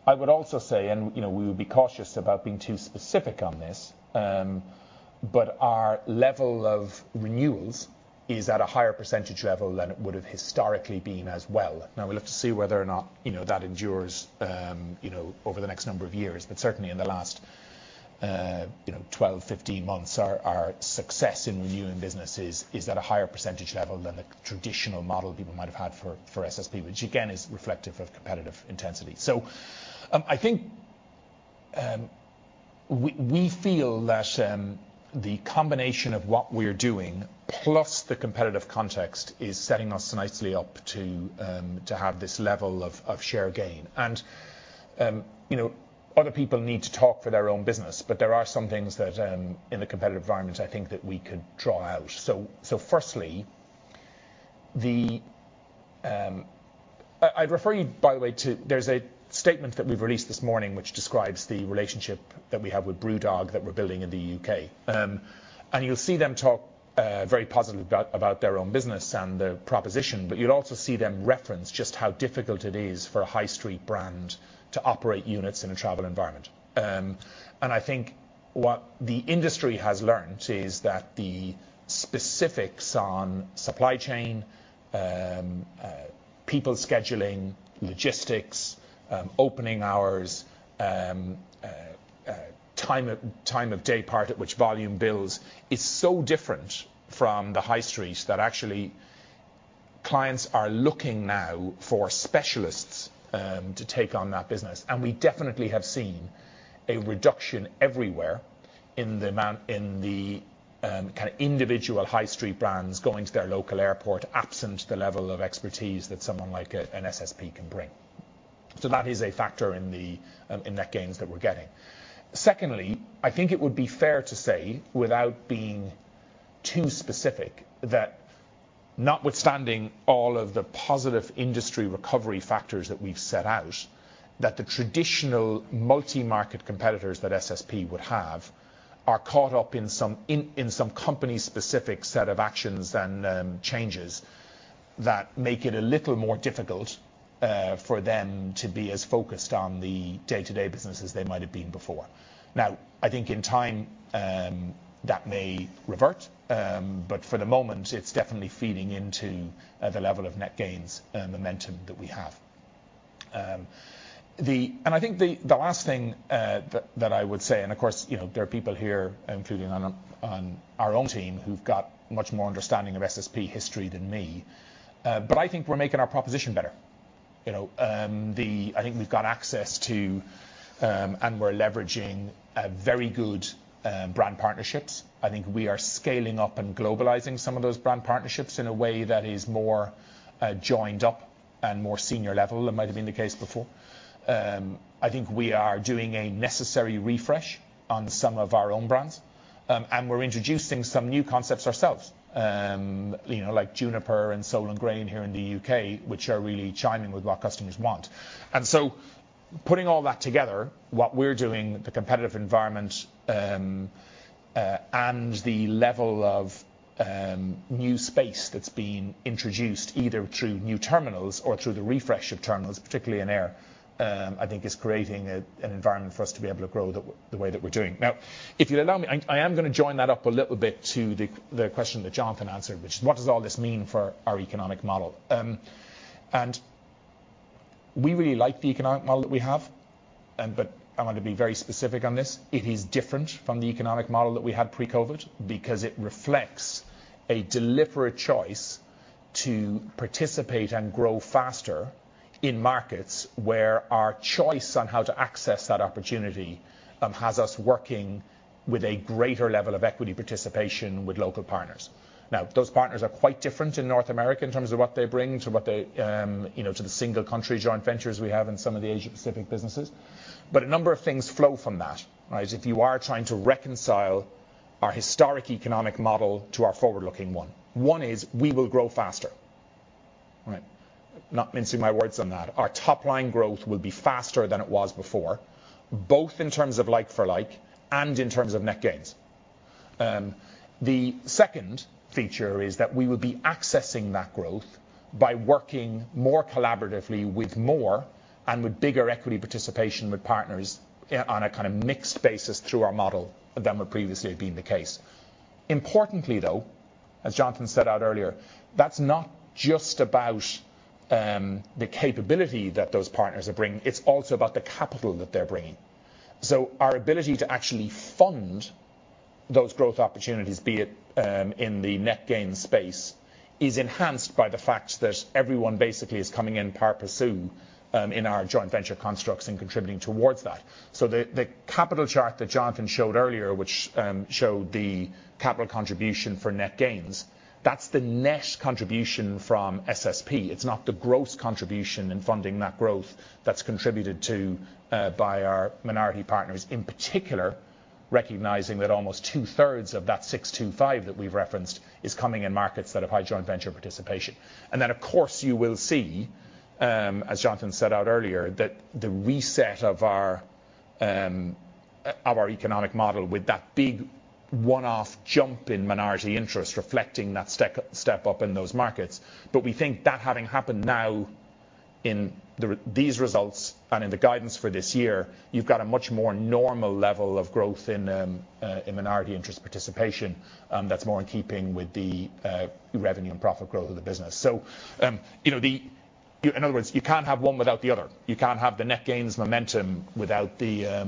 I would also say, you know, we would be cautious about being too specific on this, but our level of renewals is at a higher percentage level than it would have historically been as well. We'll have to see whether or not, you know, that endures, you know, over the next number of years. Certainly, in the last, you know, 12, 15 months, our success in renewing businesses is at a higher percentage level than the traditional model people might have had for SSP, which again is reflective of competitive intensity. I think, we feel that, the combination of what we're doing, plus the competitive context is setting us nicely up to have this level of share gain. You know, other people need to talk for their own business, but there are some things that in the competitive environment I think that we could draw out. Firstly, I'd refer you by the way to there's a statement that we've released this morning which describes the relationship that we have with BrewDog that we're building in the U.K. You'll see them talk very positively about their own business and the proposition, but you'll also see them reference just how difficult it is for a high street brand to operate units in a travel environment. I think what the industry has learned is that the specifics on supply chain, people scheduling, logistics, opening hours, time of day part at which volume builds is so different from the high street that actually clients are looking now for specialists to take on that business. We definitely have seen a reduction everywhere in the amount, in the kind of individual high street brands going to their local airport absent the level of expertise that someone like an SSP can bring. That is a factor in the net gains that we're getting. Secondly, I think it would be fair to say, without being too specific, that notwithstanding all of the positive industry recovery factors that we've set out, that the traditional multi-market competitors that SSP would have are caught up in some company specific set of actions and changes that make it a little more difficult for them to be as focused on the day-to-day business as they might have been before. I think in time, that may revert, but for the moment, it's definitely feeding into the level of net gains momentum that we have. I think the last thing that I would say, and of course, you know, there are people here, including on our own team, who've got much more understanding of SSP history than me, but I think we're making our proposition better. You know? We're leveraging very good brand partnerships. I think we are scaling up and globalizing some of those brand partnerships in a way that is more joined up and more senior level than might've been the case before. I think we are doing a necessary refresh on some of our own brands, and we're introducing some new concepts ourselves. You know, like Juniper and Soul & Grain here in the U.K., which are really chiming with what customers want. Putting all that together, what we're doing, the competitive environment, and the level of new space that's being introduced, either through new terminals or through the refresh of terminals, particularly in air, I think is creating an environment for us to be able to grow the way that we're doing. If you'll allow me, I am gonna join that up a little bit to the question that Jonathan answered, which is what does all this mean for our economic model? We really like the economic model that we have, but I want to be very specific on this. It is different from the economic model that we had pre-COVID because it reflects a deliberate choice to participate and grow faster in markets where our choice on how to access that opportunity, has us working with a greater level of equity participation with local partners. Those partners are quite different in North America in terms of what they bring to what they, you know, to the single country joint ventures we have in some of the Asia-Pacific businesses, but a number of things flow from that. Right? If you are trying to reconcile our historic economic model to our forward-looking one. One is we will grow faster, right? Not mincing my words on that. Our top line growth will be faster than it was before, both in terms of like for like, and in terms of net gains. The second feature is that we will be accessing that growth by working more collaboratively with more and with bigger equity participation with partners on a kind of mixed basis through our model than would previously have been the case. Importantly, though, as Jonathan set out earlier, that's not just about the capability that those partners are bringing, it's also about the capital that they're bringing. Our ability to actually fund those growth opportunities, be it in the net gain space, is enhanced by the fact that everyone basically is coming in par pursue in our joint venture constructs and contributing towards that. The, the capital chart that Jonathan showed earlier, which showed the capital contribution for net gains, that's the net contribution from SSP. It's not the gross contribution in funding that growth that's contributed to by our minority partners. In particular, recognizing that almost 2/3 of that 625 that we've referenced is coming in markets that have high joint venture participation. Then, of course, you will see, as Jonathan set out earlier, that the reset of our of our economic model with that big one-off jump in minority interest reflecting that step up in those markets. We think that having happened now in these results and in the guidance for this year, you've got a much more normal level of growth in minority interest participation, that's more in keeping with the revenue and profit growth of the business. You know, In other words, you can't have one without the other. You can't have the net gains momentum without the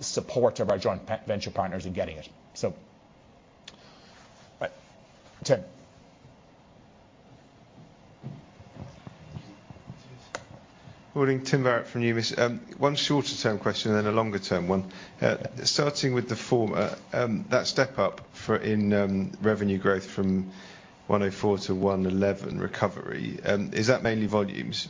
support of our joint venture partners in getting it. Right. Tim. Morning. Tim Barrett from UBS. One shorter term question then a longer term one. Starting with the former, that step up for, in, revenue growth from 104 to 111 recovery, is that mainly volumes?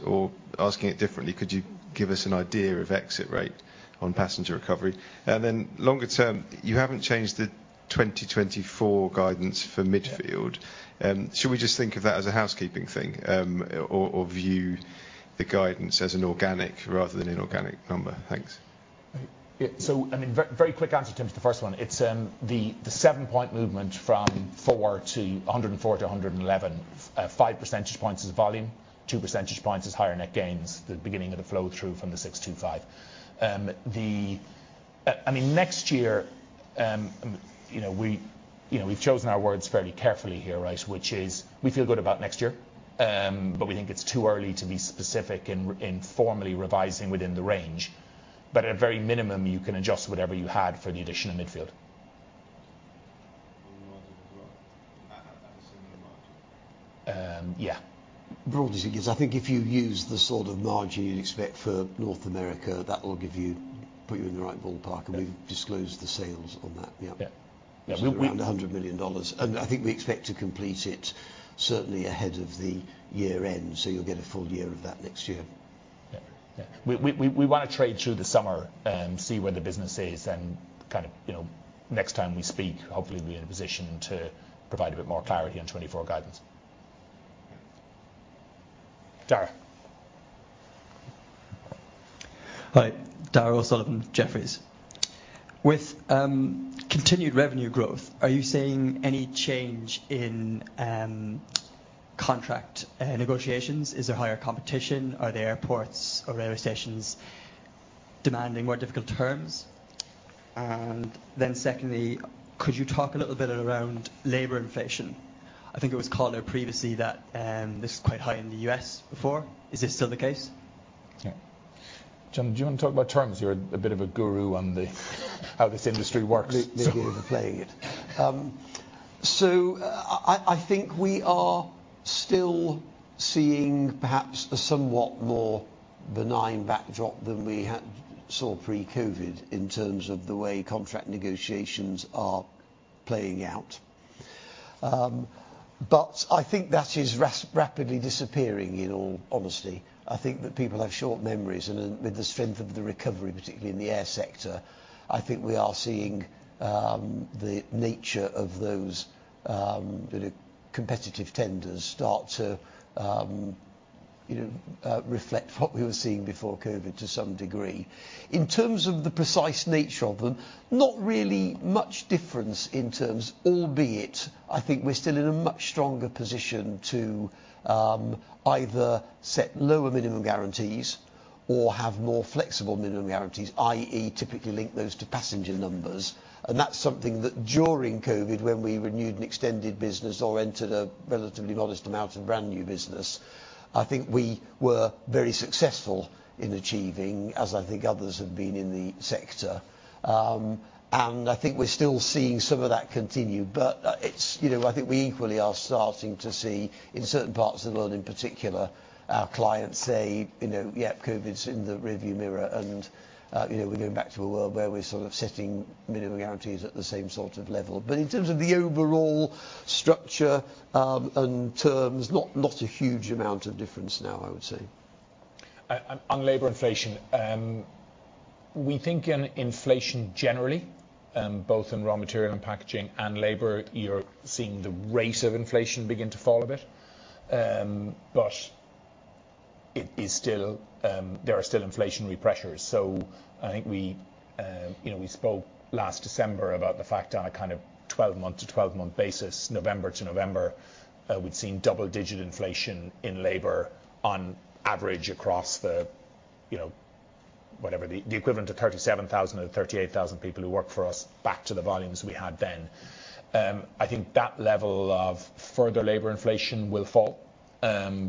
Asking it differently, could you give us an idea of exit rate on passenger recovery? Longer term, you haven't changed the 2024 guidance for midfield. Yeah. Should we just think of that as a housekeeping thing, or view the guidance as an organic rather than inorganic number? Thanks. I mean, very quick answer, Tim, to the first one. It's the 7-point movement from 104 to 111, 5% points is volume, 2% points is higher net gains, the beginning of the flow through from the 625. I mean, next year, you know, we've chosen our words fairly carefully here, right? We feel good about next year, we think it's too early to be specific in formally revising within the range. At a very minimum, you can adjust whatever you had for the addition of midfield. On the margin as well at a similar margin? Yeah. Broadly, because I think if you use the sort of margin you'd expect for North America, that will give you, put you in the right ballpark, and we've disclosed the sales on that. Yeah. Yeah. Yeah. We. $100 million. I think we expect to complete it certainly ahead of the year-end, so you'll get a full year of that next year. Yeah. Yeah. We want to trade through the summer, see where the business is and kind of, you know, next time we speak, hopefully be in a position to provide a bit more clarity on FY24 guidance. Darragh. Hi. Darragh O'Sullivan, Jefferies. With continued revenue growth, are you seeing any change in contract negotiations? Is there higher competition? Are the airports or railway stations demanding more difficult terms? Secondly, could you talk a little bit around labor inflation? I think it was called out previously that this was quite high in the U.S. before. Is this still the case? Yeah. Jonathan, do you want to talk about terms? You're a bit of a guru on the how this industry works. The guru of the plague. I think we are still seeing perhaps a somewhat more benign backdrop than we had saw pre-COVID in terms of the way contract negotiations are playing out. I think that is rapidly disappearing, in all honesty. I think that people have short memories, with the strength of the recovery, particularly in the air sector, I think we are seeing the nature of those competitive tenders start to, you know, reflect what we were seeing before COVID to some degree. In terms of the precise nature of them, not really much difference in terms, albeit I think we're still in a much stronger position to either set lower minimum guarantees or have more flexible minimum guarantees, i.e., typically link those to passenger numbers. That's something that during COVID, when we renewed an extended business or entered a relatively modest amount of brand new business, I think we were very successful in achieving as I think others have been in the sector. I think we're still seeing some of that continue. It's, you know, I think we equally are starting to see in certain parts of the world, in particular, our clients say, you know, "Yep, COVID's in the rear view mirror, and, you know, we're going back to a world where we're sort of setting minimum guarantees at the same sort of level." In terms of the overall structure, and terms, not a huge amount of difference now, I would say. On labor inflation, we think in inflation generally, both in raw material and packaging and labor, you're seeing the rate of inflation begin to fall a bit. It is still, there are still inflationary pressures. I think we, you know, we spoke last December about the fact on a kind of 12-month-12-month basis, November to November, we'd seen double-digit inflation in labor on average across the, you know, whatever the equivalent to 37,000 or 38,000 people who work for us back to the volumes we had then. I think that level of further labor inflation will fall,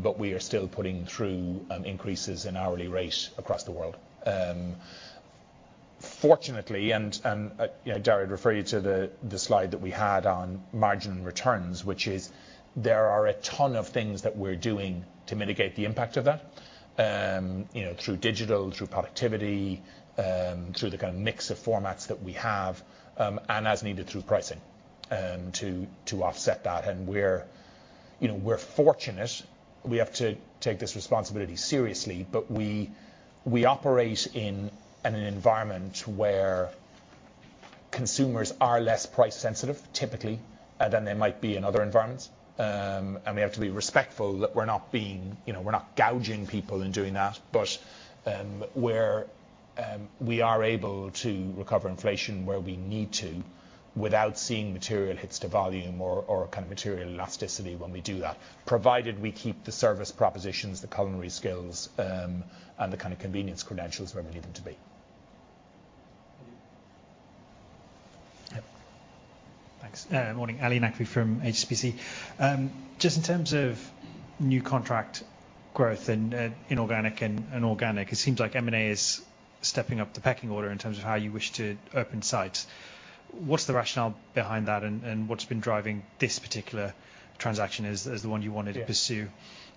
but we are still putting through increases in hourly rate across the world. Fortunately, and, you know, Darren referred you to the slide that we had on margin returns, which is there are a ton of things that we're doing to mitigate the impact of that, you know, through digital, through productivity, through the kind of mix of formats that we have, and as needed through pricing, to offset that. We're, you know, we're fortunate, we have to take this responsibility seriously. We operate in an environment where consumers are less price sensitive, typically, than they might be in other environments. We have to be respectful that we're not gouging people in doing that. We are able to recover inflation where we need to without seeing material hits to volume or kind of material elasticity when we do that, provided we keep the service propositions, the culinary skills, and the kind of convenience credentials where we need them to be. Yeah. Thanks. Morning. Ali Naqvi from HSBC. Just in terms of new contract growth and inorganic and organic, it seems like M&A is stepping up the pecking order in terms of how you wish to open sites. What's the rationale behind that and what's been driving this particular transaction as the one you wanted to pursue?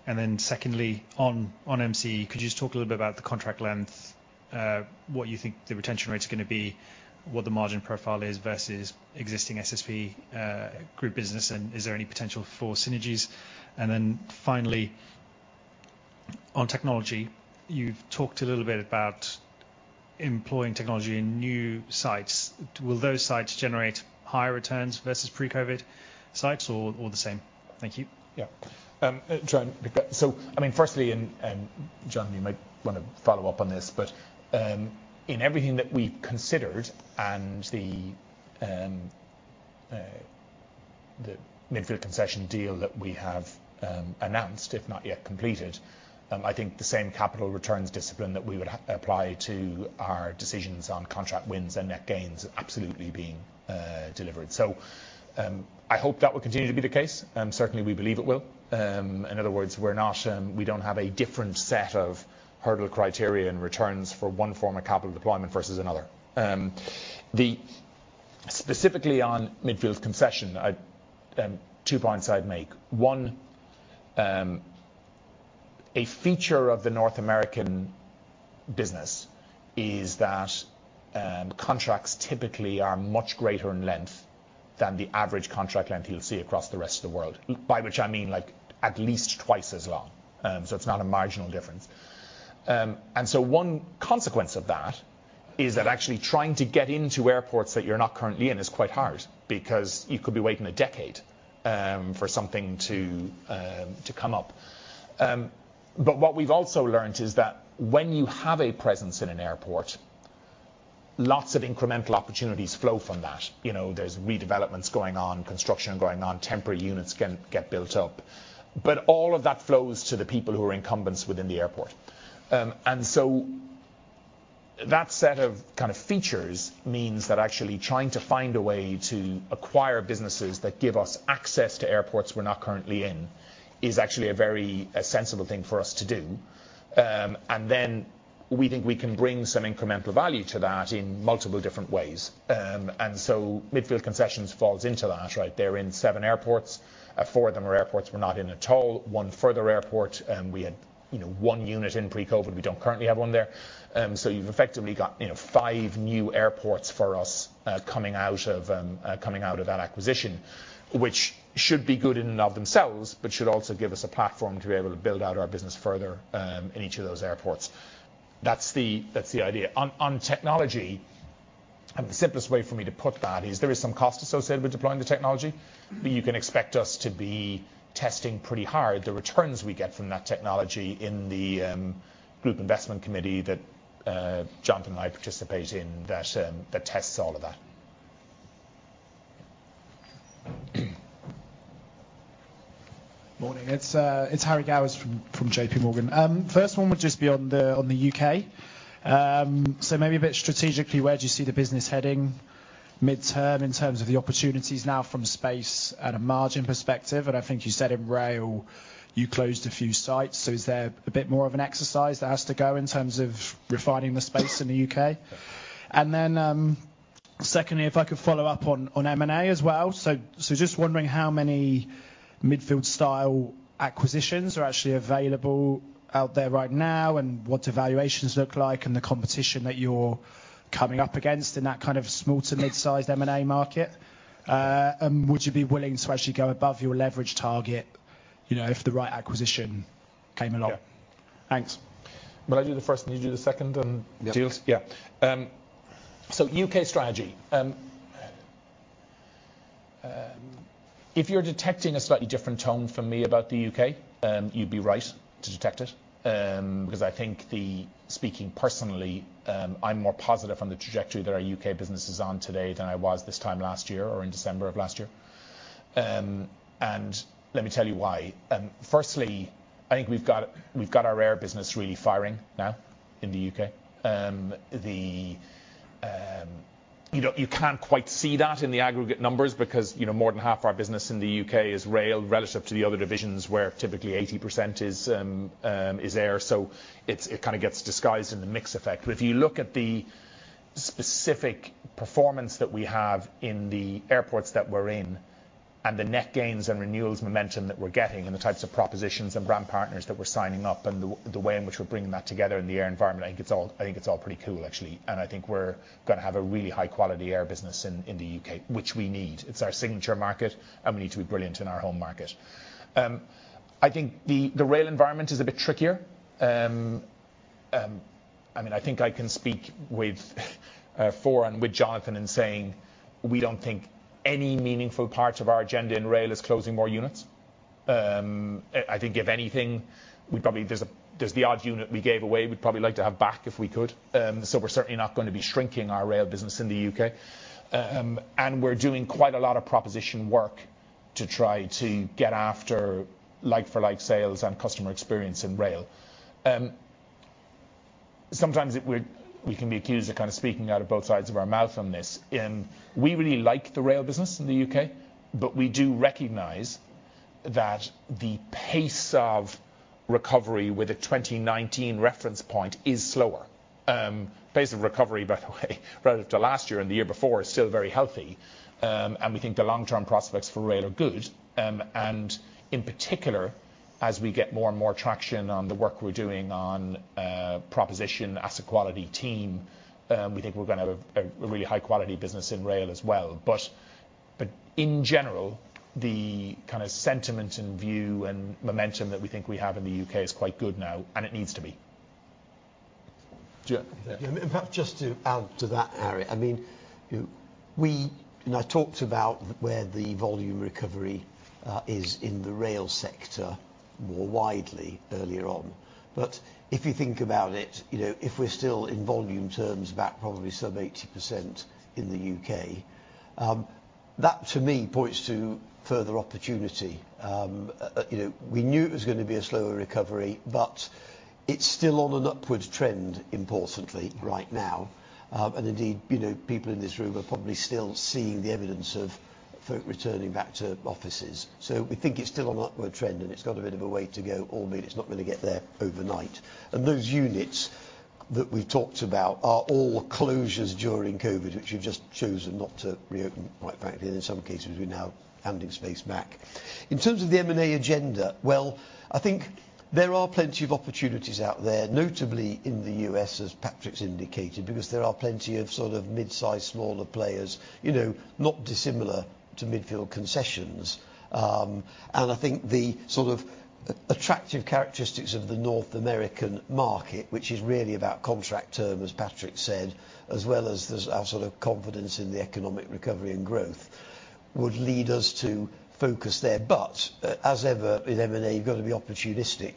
Yeah. Secondly, on MCE, could you just talk a little bit about the contract length, what you think the retention rate is gonna be, what the margin profile is versus existing SSP Group business, and is there any potential for synergies? Finally, on technology, you've talked a little bit about employing technology in new sites. Will those sites generate higher returns versus pre-COVID sites or the same? Thank you. John, I mean, firstly, and John you might wanna follow up on this, but, in everything that we've considered and the Midfield Concession deal that we have announced, if not yet completed, I think the same capital returns discipline that we would apply to our decisions on contract wins and net gains absolutely being delivered. I hope that will continue to be the case, and certainly we believe it will. In other words, we're not, we don't have a different set of hurdle criteria and returns for one form of capital deployment versus another. Specifically on Midfield Concession, I, two points I'd make. One, a feature of the North American business is that contracts typically are much greater in length than the average contract length you'll see across the rest of the world. By which I mean, like, at least twice as long, so it's not a marginal difference. One consequence of that is that actually trying to get into airports that you're not currently in is quite hard because you could be waiting a decade for something to come up. What we've also learned is that when you have a presence in an airport, lots of incremental opportunities flow from that. You know, there's redevelopments going on, construction going on, temporary units can get built up, but all of that flows to the people who are incumbents within the airport. That set of kind of features means that actually trying to find a way to acquire businesses that give us access to airports we're not currently in is actually a very sensible thing for us to do. We think we can bring some incremental value to that in multiple different ways. Midfield Concessions falls into that, right. They're in seven airports. Four of them are airports we're not in at all. One further airport, we had, you know, 1 unit in pre-COVID, we don't currently have one there. You've effectively got, you know, five new airports for us, coming out of that acquisition, which should be good in and of themselves, but should also give us a platform to be able to build out our business further, in each of those airports. That's the idea. On, on technology, the simplest way for me to put that is there is some cost associated with deploying the technology, but you can expect us to be testing pretty hard the returns we get from that technology in the group investment committee that Jonathan and I participate in that tests all of that. Morning. It's Harry Gowers from JPMorgan. First one would just be on the U.K. Maybe a bit strategically, where do you see the business heading midterm in terms of the opportunities now from space at a margin perspective? I think you said in rail you closed a few sites, is there a bit more of an exercise that has to go in terms of refining the space in the U.K.? Secondly, if I could follow up on M&A as well. Just wondering how many Midfield style acquisitions are actually available out there right now and what the valuations look like and the competition that you're coming up against in that kind of small to mid-sized M&A market. Would you be willing to actually go above your leverage target, you know, if the right acquisition came along? Yeah. Thanks. Will I do the first and you do the second and deals? Yeah. Yeah. UK strategy. If you're detecting a slightly different tone from me about the U.K., you'd be right to detect it. Speaking personally, I'm more positive on the trajectory that our U.K. business is on today than I was this time last year or in December of last year. Let me tell you why. Firstly, I think we've got our air business really firing now in the U.K. You know, you can't quite see that in the aggregate numbers because, you know, more than half of our business in the U.K. is rail relative to the other divisions, where typically 80% is air. It kind of gets disguised in the mix effect. If you look at the specific performance that we have in the airports that we're in and the net gains and renewals momentum that we're getting and the types of propositions and brand partners that we're signing up and the way in which we're bringing that together in the air environment, I think it's all, I think it's all pretty cool, actually. I think we're gonna have a really high quality air business in the U.K., which we need. It's our signature market, and we need to be brilliant in our home market. I think the rail environment is a bit trickier. I mean, I think I can speak for and with Jonathan in saying we don't think any meaningful part of our agenda in rail is closing more units. I think if anything, we probably... There's the odd unit we gave away we'd probably like to have back if we could. We're certainly not gonna be shrinking our rail business in the U.K. We're doing quite a lot of proposition work to try to get after like for like sales and customer experience in rail. Sometimes we can be accused of kinda speaking out of both sides of our mouth on this. We really like the rail business in the U.K., we do recognize that the pace of recovery with a 2019 reference point is slower. Pace of recovery, by the way, relative to last year and the year before is still very healthy. We think the long-term prospects for rail are good. In particular, as we get more and more traction on the work we're doing on proposition, asset quality team, we think we're gonna have a really high quality business in rail as well. In general, the kinda sentiment and view and momentum that we think we have in the U.K. is quite good now, and it needs to be. Yeah. Maybe just to add to that, Harry, I mean, we, and I talked about where the volume recovery is in the rail sector more widely earlier on. If you think about it, you know, if we're still in volume terms about probably some 80% in the U.K., that to me points to further opportunity. You know, we knew it was gonna be a slower recovery, but it's still on an upward trend importantly right now. Indeed, you know, people in this room are probably still seeing the evidence of folk returning back to offices. We think it's still on upward trend and it's got a bit of a way to go, albeit it's not gonna get there overnight. Those units that we talked about are all closures during COVID, which we've just chosen not to reopen, quite frankly, and in some cases we're now handing space back. In terms of the M&A agenda, well, I think there are plenty of opportunities out there, notably in the U.S., as Patrick's indicated, because there are plenty of sort of mid-sized, smaller players, you know, not dissimilar to Midfield Concessions. And I think the sort of attractive characteristics of the North American market, which is really about contract term, as Patrick said, as well as the, our sort of confidence in the economic recovery and growth, would lead us to focus there. As ever with M&A, you've got to be opportunistic.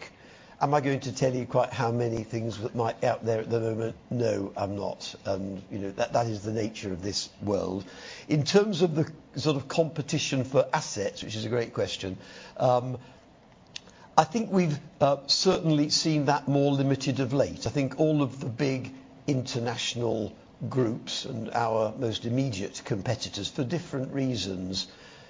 Am I going to tell you quite how many things that might out there at the moment? No, I'm not. You know, that is the nature of this world. In terms of the sort of competition for assets, which is a great question, I think we've certainly seen that more limited of late. I think all of the big international groups and our most immediate competitors, for different reasons,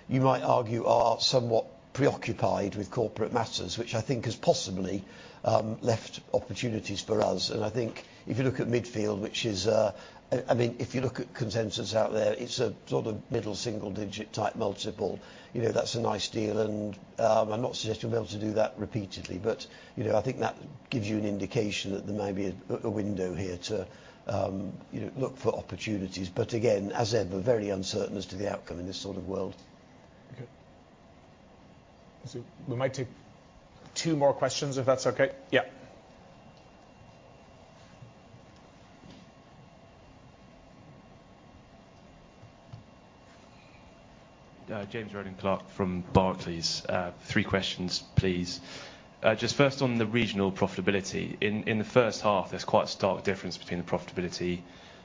you might argue, are somewhat preoccupied with corporate matters, which I think has possibly left opportunities for us. I think if you look at Midfield, which is, I mean, if you look at consensus out there, it's a sort of middle single-digit type multiple. You know, that's a nice deal, and I'm not suggesting we'll be able to do that repeatedly but, you know, I think that gives you an indication that there may be a window here to, you know, look for opportunities. Again, as ever, very uncertain as to the outcome in this sort of world. Okay. We might take two more questions if that's okay. Yeah. James Rowland Clark from Barclays. Three questions please. Just first on the regional profitability. In the first half, there's quite a stark difference between the profitability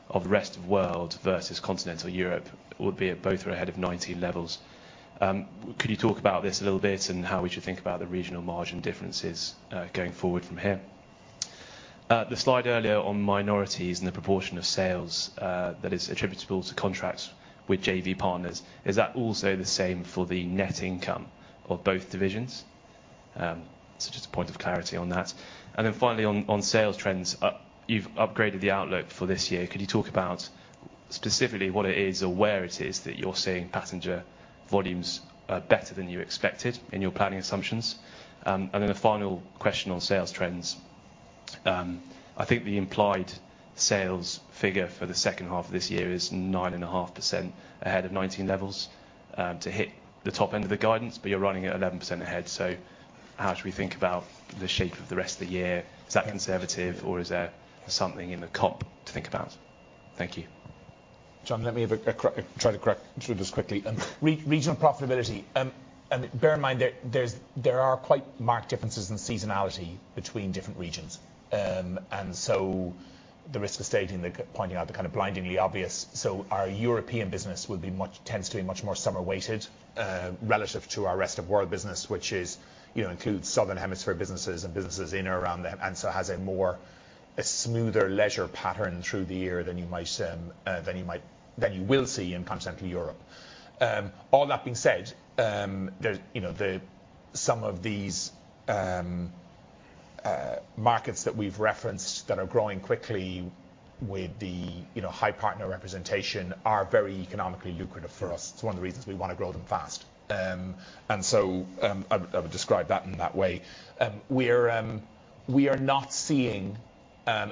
of the rest of world versus Continental Europe, albeit both are ahead of 2019 levels. Could you talk about this a little bit and how we should think about the regional margin differences, going forward from here? The slide earlier on minorities and the proportion of sales, that is attributable to contracts with JV partners, is that also the same for the net income of both divisions? So just a point of clarity on that. Then finally on sales trends. You've upgraded the outlook for this year. Could you talk about specifically what it is or where it is that you're seeing passenger volumes, better than you expected in your planning assumptions? Then a final question on sales trends. I think the implied sales figure for the second half of this year is 9.5% ahead of 2019 levels to hit the top end of the guidance, you're running at 11% ahead. How should we think about the shape of the rest of the year? Is that conservative or is there something in the comp to think about? Thank you. John, let me try to crack through this quickly. Re-regional profitability. Bear in mind there are quite marked differences in seasonality between different regions. The risk of pointing out the kind of blindingly obvious, so our European business tends to be much more summer-weighted relative to our rest of world business, which is, you know, includes Southern Hemisphere businesses and businesses in or around them, and so has a more, a smoother leisure pattern through the year than you will see in Continental Europe. All that being said, there's, you know, the, some of these markets that we've referenced that are growing quickly with the, you know, high partner representation are very economically lucrative for us. It's one of the reasons we wanna grow them fast. I would describe that in that way. We are not seeing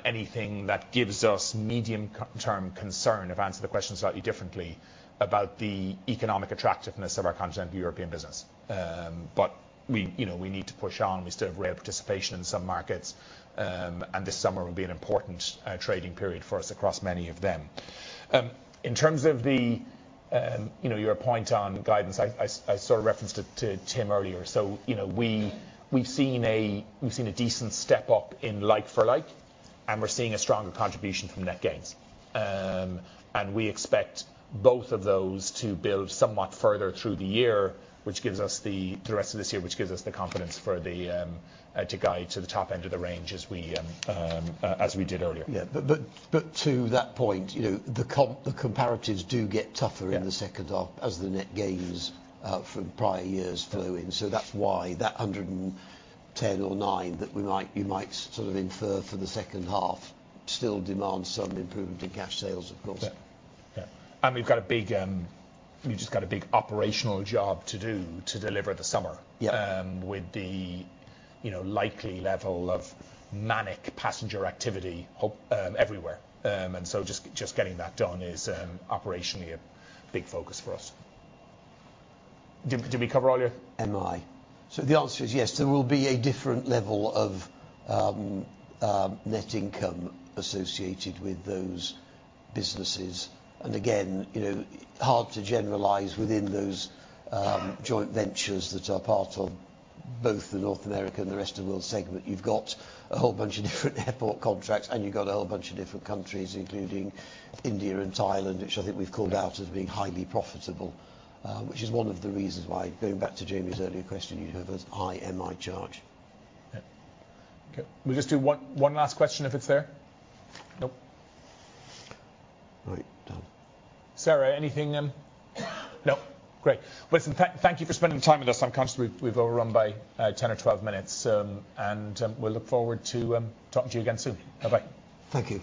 anything that gives us medium-term concern, if I answer the question slightly differently, about the economic attractiveness of our Continental European business. We, you know, we need to push on. We still have rare participation in some markets, this summer will be an important trading period for us across many of them. In terms of the, you know, your point on guidance, I sort of referenced it to Tim earlier. You know, we've seen a decent step up in like for like, we're seeing a stronger contribution from net gains. We expect both of those to build somewhat further through the year, which gives us the rest of this year, which gives us the confidence for the to guide to the top end of the range as we as we did earlier. Yeah. To that point, you know, the comparatives do get tougher- Yeah ...in the second half as the net gains from prior years flow in. That's why that 110 or 109 that we might, you might sort of infer for the second half still demands some improvement in cash sales, of course. Yeah. Yeah. We've got a big, we've just got a big operational job to do to deliver the summer- Yeah ...with the, you know, likely level of manic passenger activity everywhere. Just getting that done is operationally a big focus for us. Did we cover all your- MI. The answer is yes, there will be a different level of net income associated with those businesses. Again, you know, hard to generalize within those joint ventures that are part of both the North America and the rest of the world segment. You've got a whole bunch of different airport contracts, you've got a whole bunch of different countries, including India and Thailand, which I think we've called out as being highly profitable, which is one of the reasons why, going back to Jamie's earlier question, you have a high MI charge. Yeah. Okay. We'll just do one last question if it's fair. Nope. All right. Done. Sarah, anything... No. Great. Listen, thank you for spending time with us. I'm conscious we've overrun by 10 or 12 minutes. We'll look forward to talking to you again soon. Bye-bye. Thank you.